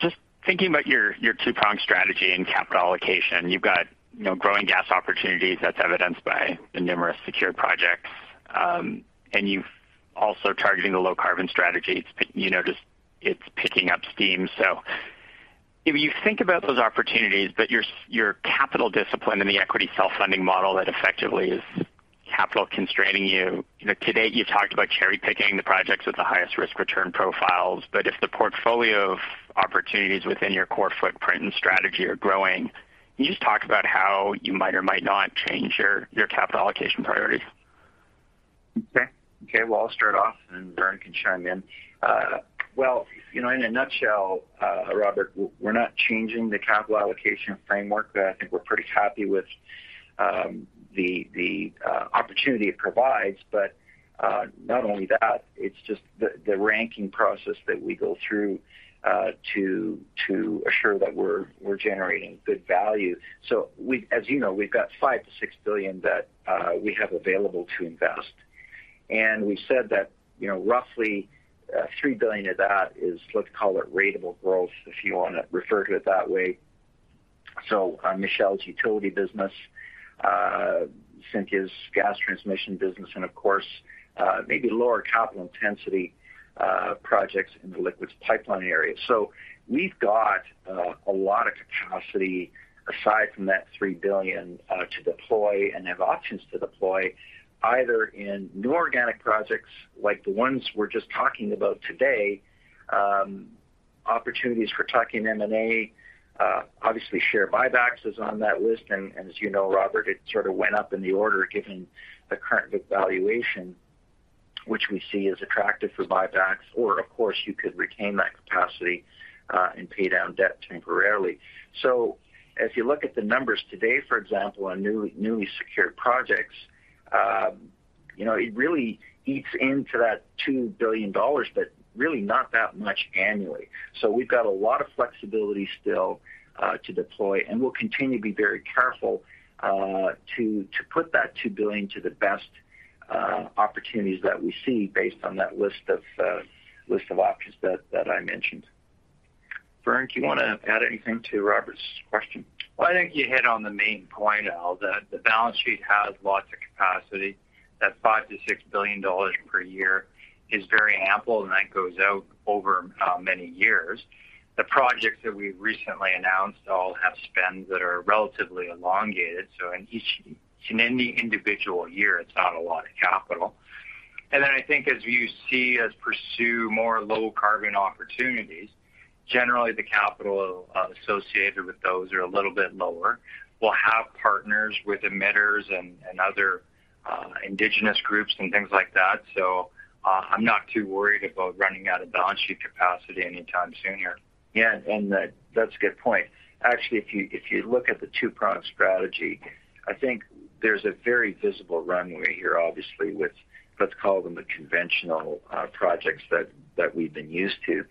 Just thinking about your two-pronged strategy in capital allocation, you've got, you know, growing gas opportunities that's evidenced by the numerous secured projects, and you've also targeting the low-carbon strategy. It's you know, just it's picking up steam. If you think about those opportunities, but your capital discipline and the equity self-funding model that effectively is capital constraining you. You know, to date, you've talked about cherry-picking the projects with the highest risk-return profiles, but if the portfolio of opportunities within your core footprint and strategy are growing, can you just talk about how you might or might not change your capital allocation priorities? Well, I'll start off, and Vern can chime in. You know, in a nutshell, Robert, we're not changing the capital allocation framework. I think we're pretty happy with the opportunity it provides. Not only that, it's just the ranking process that we go through to assure that we're generating good value. As you know, we've got 5 billion-6 billion that we have available to invest. We said that, you know, roughly, 3 billion of that is, let's call it ratable growth, if you wanna refer to it that way. Michele's utility business, Cynthia's gas transmission business and of course, maybe lower capital intensity projects in the liquids pipeline area. We've got a lot of capacity aside from that 3 billion to deploy and have options to deploy either in new organic projects like the ones we're just talking about today, opportunities for tuck-in M&A, obviously share buybacks is on that list. As you know, Robert, it sort of went up in the order given the current valuation, which we see as attractive for buybacks or of course you could retain that capacity, and pay down debt temporarily. As you look at the numbers today, for example, on new, newly secured projects, you know, it really eats into that $2 billion, but really not that much annually. We've got a lot of flexibility still to deploy, and we'll continue to be very careful to put that 2 billion to the best opportunities that we see based on that list of options that I mentioned. Vern, do you wanna add anything to Robert's question? Well, I think you hit on the main point, Al, that the balance sheet has lots of capacity. That 5 billion- 6 billion dollars per year is very ample, and that goes out over many years. The projects that we've recently announced all have spends that are relatively elongated, so in any individual year, it's not a lot of capital. I think as you see us pursue more low-carbon opportunities, generally the capital associated with those are a little bit lower. We'll have partners with emitters and other indigenous groups and things like that. I'm not too worried about running out of balance sheet capacity anytime soon here. Yeah. That's a good point. Actually, if you look at the two-pronged strategy, I think there's a very visible runway here, obviously, with let's call them the conventional projects that we've been used to.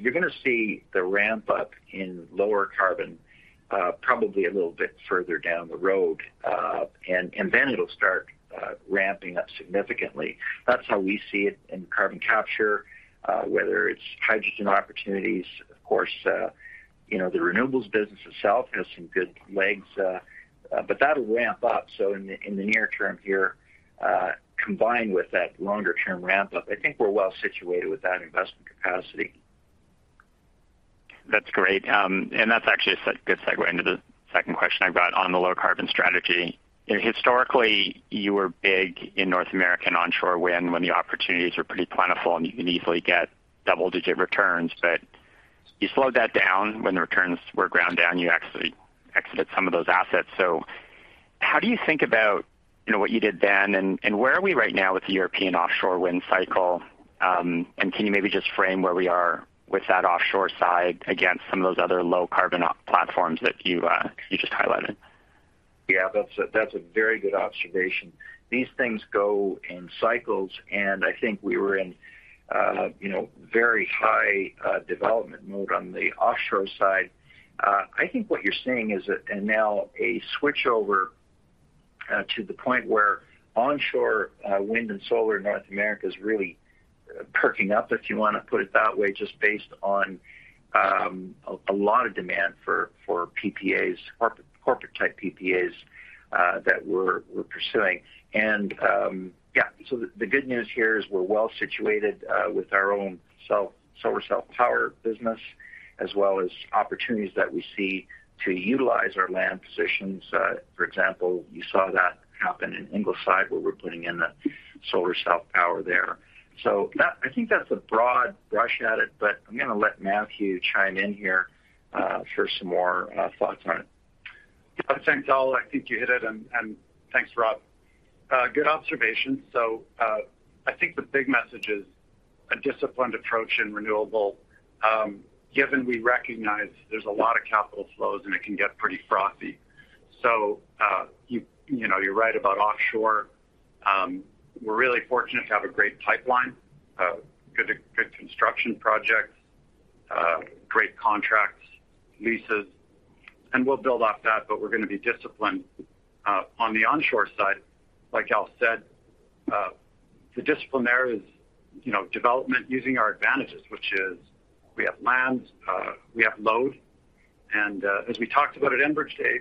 You're gonna see the ramp-up in lower carbon, probably a little bit further down the road. Then it'll start ramping up significantly. That's how we see it in carbon capture, whether it's hydrogen opportunities. Of course, you know, the renewables business itself has some good legs, but that'll ramp up. In the near term here, combined with that longer-term ramp-up, I think we're well situated with that investment capacity. That's great. That's actually a good segue into the second question I've got on the low-carbon strategy. Historically, you were big in North American onshore wind when the opportunities were pretty plentiful, and you could easily get double-digit returns. You slowed that down when the returns were ground down. You actually exited some of those assets. How do you think about, you know, what you did then, and where are we right now with the European offshore wind cycle? Can you maybe just frame where we are with that offshore side against some of those other low-carbon platforms that you just highlighted? Yeah, that's a very good observation. These things go in cycles, and I think we were in you know very high development mode on the offshore side. I think what you're seeing is now a switchover to the point where onshore wind and solar in North America is really perking up, if you wanna put it that way, just based on a lot of demand for PPAs, corporate-type PPAs that we're pursuing. The good news here is we're well situated with our own solar self-power business as well as opportunities that we see to utilize our land positions. For example, you saw that happen in Ingleside, where we're putting in the solar self-power there. I think that's a broad brush at it, but I'm gonna let Matthew chime in here for some more thoughts on it. Yeah. Thanks, Al. I think you hit it. Thanks, Rob. Good observation. I think the big message is a disciplined approach in renewable, given we recognize there's a lot of capital flows, and it can get pretty frothy. You know, you're right about offshore. We're really fortunate to have a great pipeline, good construction projects, great contracts, leases, and we'll build off that, but we're gonna be disciplined. On the onshore side, like Al said, the discipline there is, you know, development using our advantages, which is we have lands, we have load. As we talked about at Enbridge Day,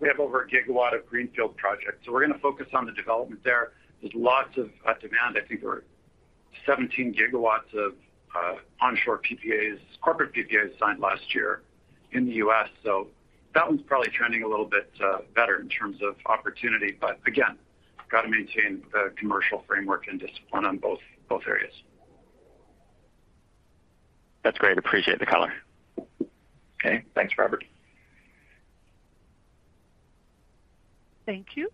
we have over a gigawatt of greenfield projects, so we're gonna focus on the development there. There's lots of demand. I think there were 17 GW of onshore PPAs, corporate PPAs signed last year in the U.S. That one's probably trending a little bit better in terms of opportunity. Again, gotta maintain the commercial framework and discipline on both areas. That's great. Appreciate the color. Okay. Thanks, Robert. Thank you.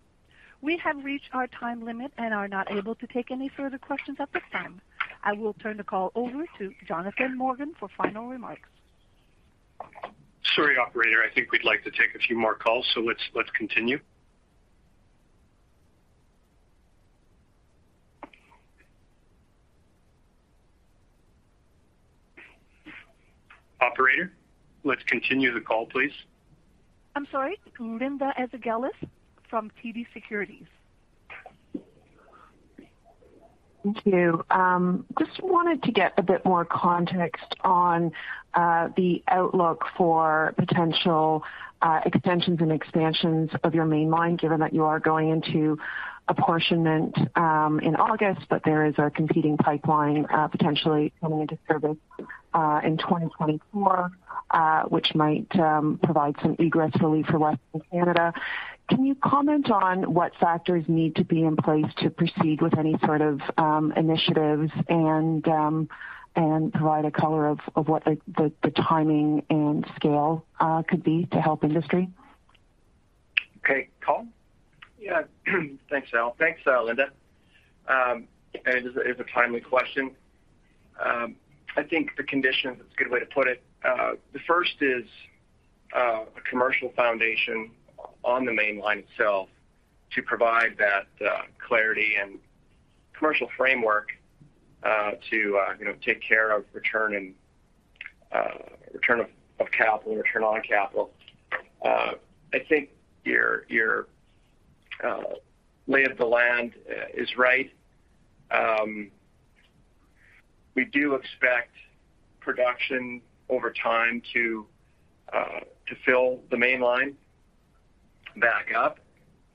We have reached our time limit and are not able to take any further questions at this time. I will turn the call over to Jonathan Morgan for final remarks. Sorry, operator. I think we'd like to take a few more calls, so let's continue. Operator, let's continue the call, please. I'm sorry. Linda Ezergailis from TD Securities. Thank you. Just wanted to get a bit more context on the outlook for potential extensions and expansions of your Mainline, given that you are going into apportionment in August, but there is a competing pipeline potentially coming into service in 2024, which might provide some egress relief for Western Canada. Can you comment on what factors need to be in place to proceed with any sort of initiatives and provide some color on what the timing and scale could be to help industry? Okay. Colin? Yeah. Thanks, Al. Thanks, Linda. It is a timely question. I think the conditions is a good way to put it. The first is a commercial foundation on the Mainline itself to provide that clarity and commercial framework to you know take care of return and return of capital return on capital. I think your lay of the land is right. We do expect production over time to fill the Mainline back up.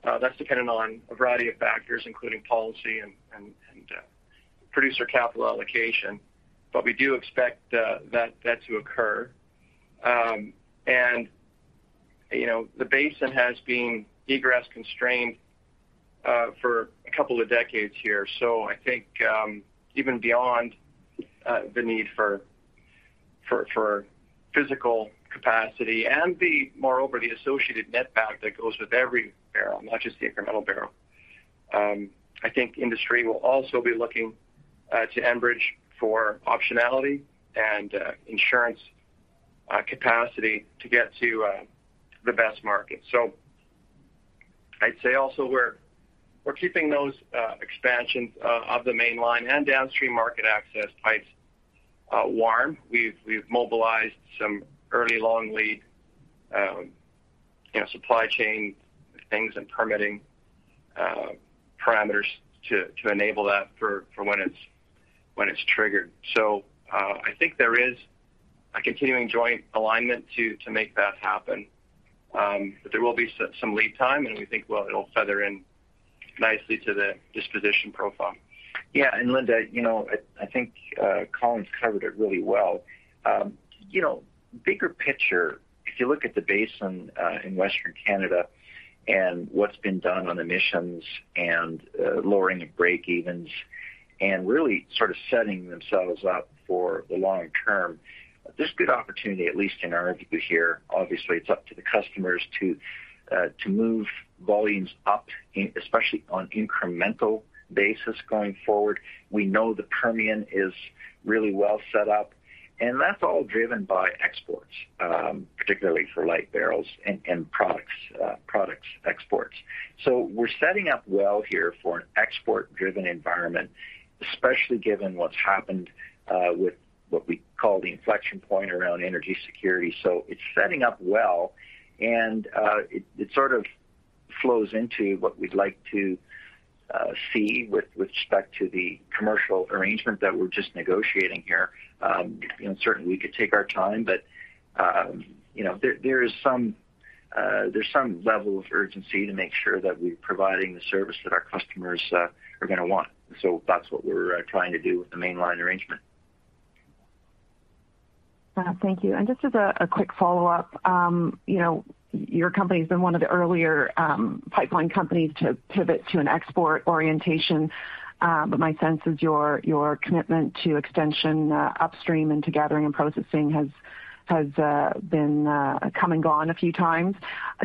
That's dependent on a variety of factors, including policy and producer capital allocation. We do expect that to occur. You know, the basin has been egress constrained a couple of decades here. I think even beyond the need for physical capacity and moreover the associated net back that goes with every barrel, not just the incremental barrel. I think industry will also be looking to Enbridge for optionality and insurance capacity to get to the best market. I'd say also we're keeping those expansions of the Mainline and downstream market access pipes warm. We've mobilized some early long lead you know supply chain things and permitting parameters to enable that for when it's triggered. I think there is a continuing joint alignment to make that happen. There will be some lead time, and we think it'll feather in nicely to the disposition profile. Yeah. Linda, you know, I think Colin's covered it really well. You know, bigger picture, if you look at the basin in Western Canada and what's been done on emissions and lowering the breakevens and really sort of setting themselves up for the long term, there's good opportunity, at least in our view here. Obviously, it's up to the customers to move volumes up especially on incremental basis going forward. We know the Permian is really well set up, and that's all driven by exports, particularly for light barrels and products exports. We're setting up well here for an export-driven environment, especially given what's happened with what we call the inflection point around energy security. It's setting up well, and it sort of flows into what we'd like to see with respect to the commercial arrangement that we're just negotiating here. You know, certainly we could take our time, but you know, there is some level of urgency to make sure that we're providing the service that our customers are gonna want. That's what we're trying to do with the Mainline arrangement. Thank you. Just as a quick follow-up, you know, your company's been one of the earlier pipeline companies to pivot to an export orientation. My sense is your commitment to extension upstream into gathering and processing has come and gone a few times.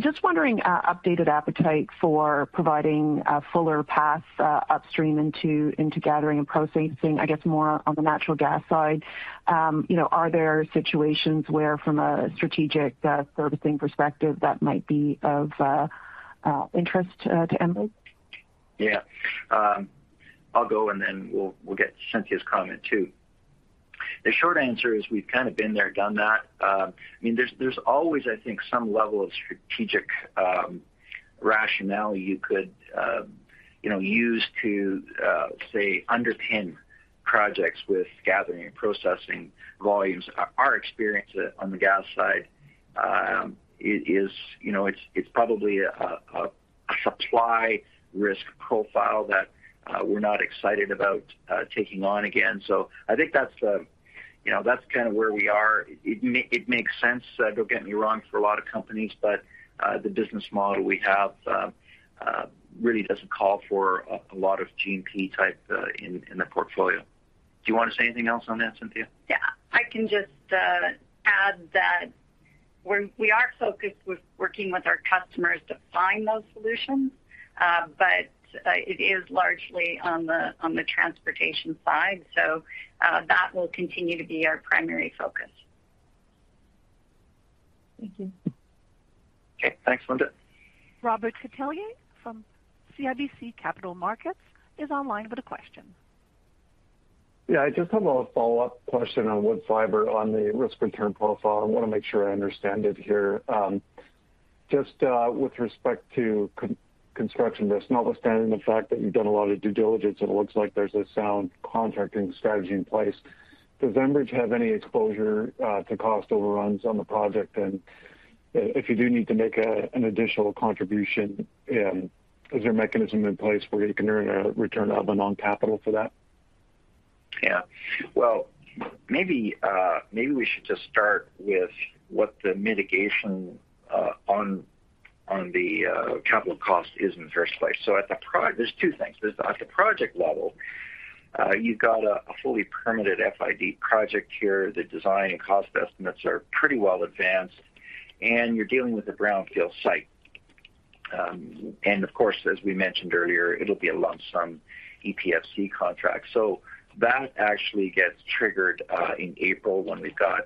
Just wondering updated appetite for providing a fuller path upstream into gathering and processing, I guess, more on the natural gas side. You know, are there situations where from a strategic servicing perspective that might be of interest to Enbridge? Yeah. I'll go and then we'll get Cynthia's comment too. The short answer is we've kind of been there, done that. I mean, there's always, I think, some level of strategic rationale you could, you know, use to say, underpin projects with gathering and processing volumes. Our experience on the gas side is, you know, it's probably a supply risk profile that we're not excited about taking on again. I think that's, you know, that's kind of where we are. It makes sense, don't get me wrong, for a lot of companies, but the business model we have really doesn't call for a lot of G&P type in the portfolio. Do you wanna say anything else on that, Cynthia? Yeah. I can just add that we are focused with working with our customers to find those solutions, but it is largely on the transportation side. That will continue to be our primary focus. Thank you. Okay. Thanks, Linda. Robert Catellier from CIBC Capital Markets is online with a question. Yeah. I just have a follow-up question on Woodfibre on the risk return profile. I wanna make sure I understand it here. Just, with respect to construction risk, notwithstanding the fact that you've done a lot of due diligence and it looks like there's a sound contracting strategy in place, does Enbridge have any exposure to cost overruns on the project? If you do need to make an additional contribution, is there a mechanism in place where you can earn a return of the non-capital for that? Yeah. Well, maybe we should just start with what the mitigation on the capital cost is in the first place. There are two things. At the project level, you've got a fully permitted FID project here. The design and cost estimates are pretty well advanced, and you're dealing with a brownfield site. And of course, as we mentioned earlier, it'll be a lump sum EPCC contract. That actually gets triggered in April when we've got,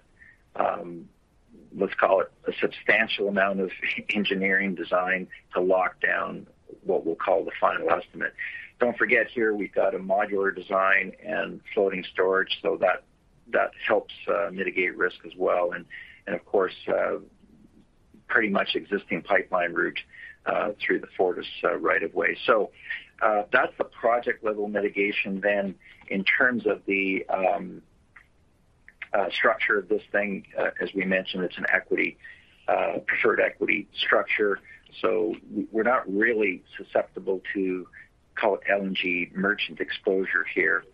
let's call it a substantial amount of engineering design to lock down what we'll call the final estimate. Don't forget here we've got a modular design and floating storage, so that helps mitigate risk as well and of course pretty much existing pipeline route through the FortisBC right of way. That's the project level mitigation. In terms of the structure of this thing, as we mentioned, it's an equity preferred equity structure, so we're not really susceptible to, call it, LNG merchant exposure here.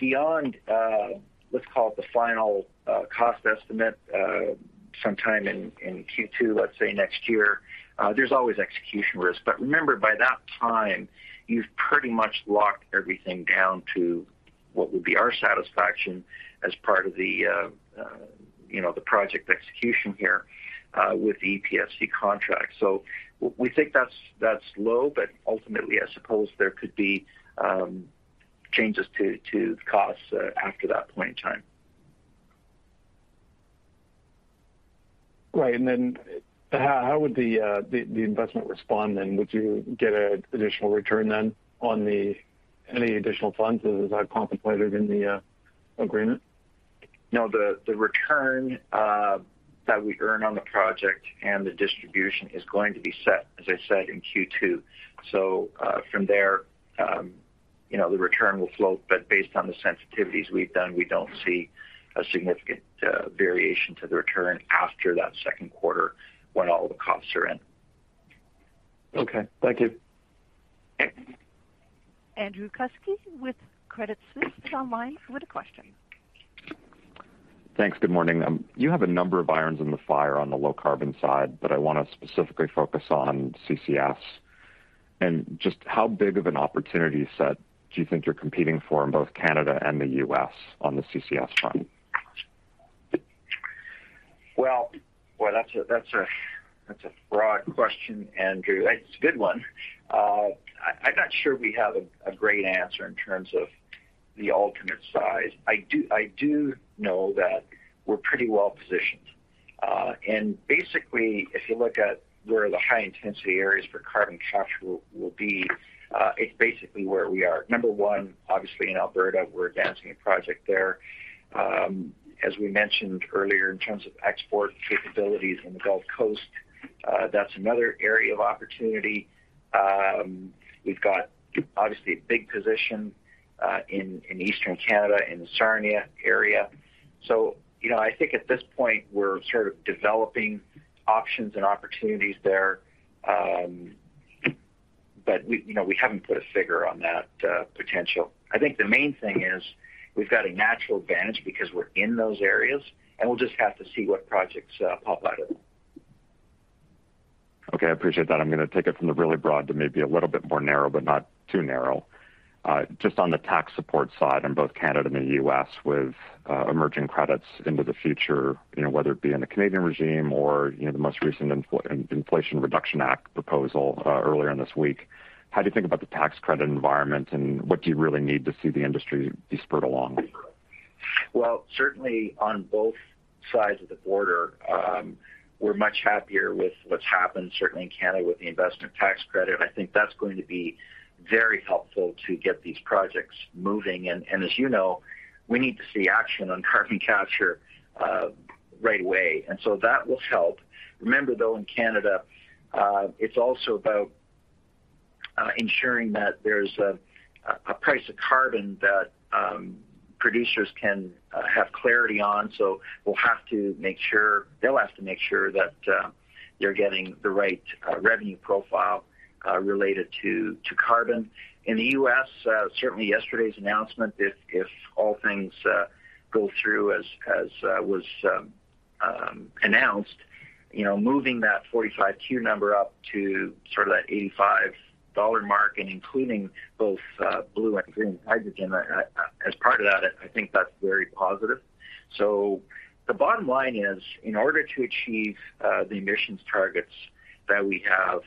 Beyond, let's call it the final cost estimate sometime in Q2, let's say next year, there's always execution risk. Remember, by that time, you've pretty much locked everything down to what would be our satisfaction as part of the you know, the project execution here with the EPCC contract. We think that's low, but ultimately, I suppose there could be changes to costs after that point in time. Right. Then how would the investment respond then? Would you get an additional return then on any additional funds as I've contemplated in the agreement? No. The return that we earn on the project and the distribution is going to be set, as I said, in Q2. From there, you know, the return will float. Based on the sensitivities we've done, we don't see a significant variation to the return after that second quarter when all the costs are in. Okay. Thank you. Andrew Kuske with Credit Suisse is online with a question. Thanks. Good morning. You have a number of irons in the fire on the low carbon side, but I wanna specifically focus on CCS. Just how big of an opportunity set do you think you're competing for in both Canada and the U.S. on the CCS front? Well, boy, that's a broad question, Andrew. It's a good one. I'm not sure we have a great answer in terms of the overall size. I do know that we're pretty well-positioned. Basically, if you look at where the high-intensity areas for carbon capture will be, it's basically where we are. Number one, obviously in Alberta, we're advancing a project there. As we mentioned earlier, in terms of export capabilities on the Gulf Coast, that's another area of opportunity. We've got obviously a big position in Eastern Canada, in the Sarnia area. So, you know, I think at this point, we're sort of developing options and opportunities there. But you know, we haven't put a figure on that potential. I think the main thing is we've got a natural advantage because we're in those areas, and we'll just have to see what projects pop out of them. Okay. I appreciate that. I'm gonna take it from the really broad to maybe a little bit more narrow, but not too narrow. Just on the tax support side in both Canada and the U.S. with emerging credits into the future, you know, whether it be in the Canadian regime or, you know, the most recent Inflation Reduction Act proposal earlier this week, how do you think about the tax credit environment, and what do you really need to see the industry be spurred along? Well, certainly on both sides of the border, we're much happier with what's happened, certainly in Canada with the investment tax credit. I think that's going to be very helpful to get these projects moving. As you know, we need to see action on carbon capture right away. That will help. Remember, though, in Canada, it's also about ensuring that there's a price of carbon that producers can have clarity on. They'll have to make sure that they're getting the right revenue profile related to carbon. In the US, certainly yesterday's announcement, if all things go through as was announced, you know, moving that 45Q up to sort of that $85 mark and including both blue and green hydrogen as part of that, I think that's very positive. The bottom line is, in order to achieve the emissions targets that we have,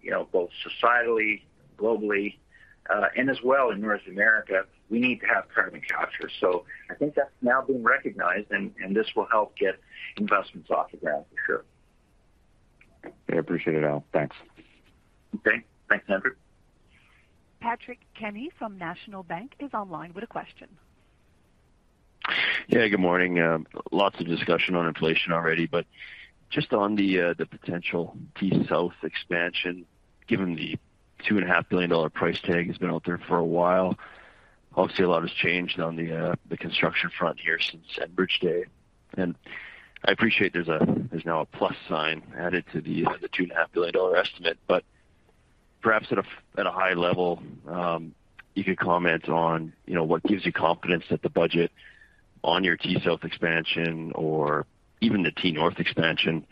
you know, both societally, globally, and as well in North America, we need to have carbon capture. I think that's now being recognized, and this will help get investments off the ground for sure. I appreciate it, Al. Thanks. Okay. Thanks, Andrew. Patrick Kenny from National Bank is online with a question. Yeah, good morning. Lots of discussion on inflation already. Just on the potential T-South expansion, given the 2.5 billion dollar price tag has been out there for a while. Obviously, a lot has changed on the construction front here since Enbridge Day. I appreciate there's now a plus sign added to the 2.5 billion dollar estimate. Perhaps at a high level, you could comment on, you know, what gives you confidence that the budget on your T-South expansion or even the T-North expansion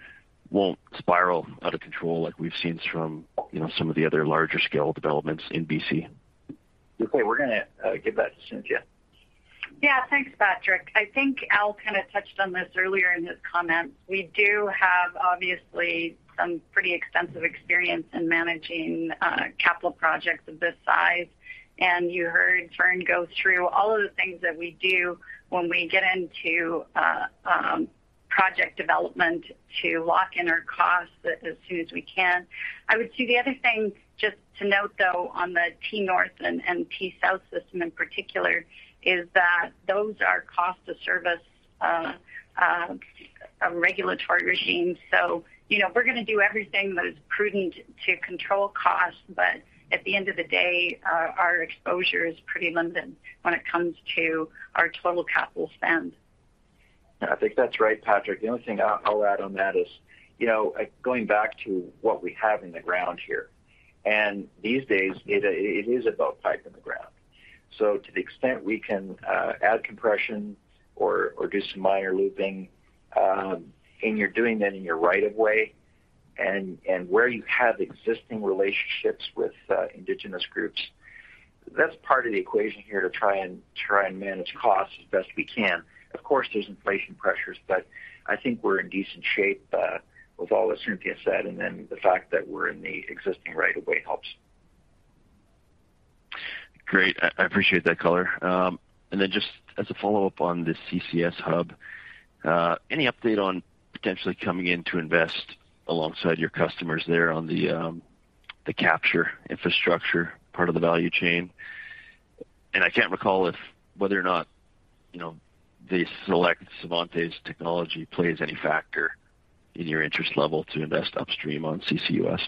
won't spiral out of control like we've seen from, you know, some of the other larger scale developments in B.C. Okay. We're gonna give that to Cynthia. Yeah. Thanks, Patrick. I think Al kind of touched on this earlier in his comments. We do have obviously some pretty extensive experience in managing capital projects of this size. You heard Vern go through all of the things that we do when we get into project development to lock in our costs as soon as we can. I would say the other thing just to note, though, on the T-North and T-South system in particular, is that those are cost of service regulatory regimes. You know, we're gonna do everything that is prudent to control costs. At the end of the day, our exposure is pretty limited when it comes to our total capital spend. I think that's right, Patrick. The only thing I'll add on that is, you know, going back to what we have in the ground here, and these days it is about pipe in the ground. To the extent we can add compression or do some minor looping, and you're doing that in your right of way and where you have existing relationships with indigenous groups. That's part of the equation here to try and manage costs as best we can. Of course, there's inflation pressures, but I think we're in decent shape with all that Cynthia said, and then the fact that we're in the existing right of way helps. Great. I appreciate that color. Then just as a follow-up on the CCS hub, any update on potentially coming in to invest alongside your customers there on the capture infrastructure part of the value chain? I can't recall if whether or not, you know, they select Svante's technology plays any factor in your interest level to invest upstream on CCUS.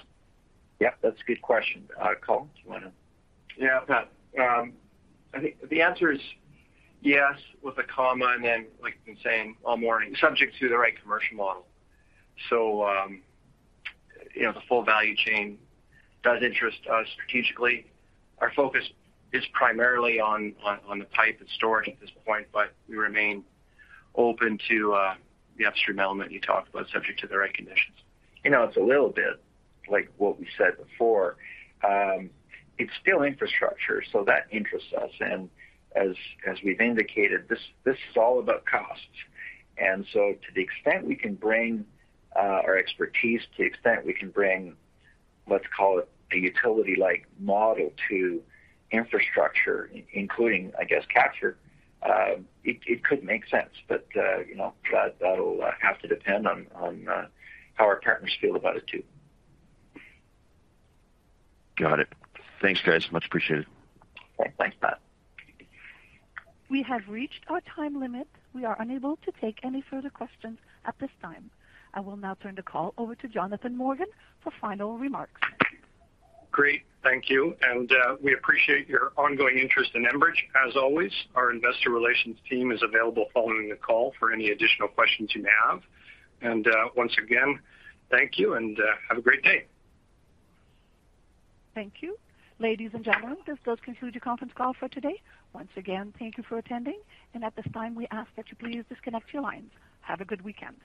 Yeah, that's a good question. Colin, do you wanna. Yeah, Pat. I think the answer is yes with a comma, and then like we've been saying all morning, subject to the right commercial model. The full value chain does interest us strategically. Our focus is primarily on the pipe and storage at this point, but we remain open to the upstream element you talked about, subject to the right conditions. You know, it's a little bit like what we said before. It's still infrastructure, so that interests us. As we've indicated, this is all about costs. To the extent we can bring our expertise, let's call it a utility-like model to infrastructure including, I guess, capture, it could make sense. You know, that'll have to depend on how our partners feel about it too. Got it. Thanks, guys. Much appreciated. Okay. Thanks, Pat. We have reached our time limit. We are unable to take any further questions at this time. I will now turn the call over to Jonathan Morgan for final remarks. Great. Thank you. We appreciate your ongoing interest in Enbridge. As always, our investor relations team is available following the call for any additional questions you have. Once again, thank you and have a great day. Thank you. Ladies and gentlemen, this does conclude your conference call for today. Once again, thank you for attending, and at this time we ask that you please disconnect your lines. Have a good weekend.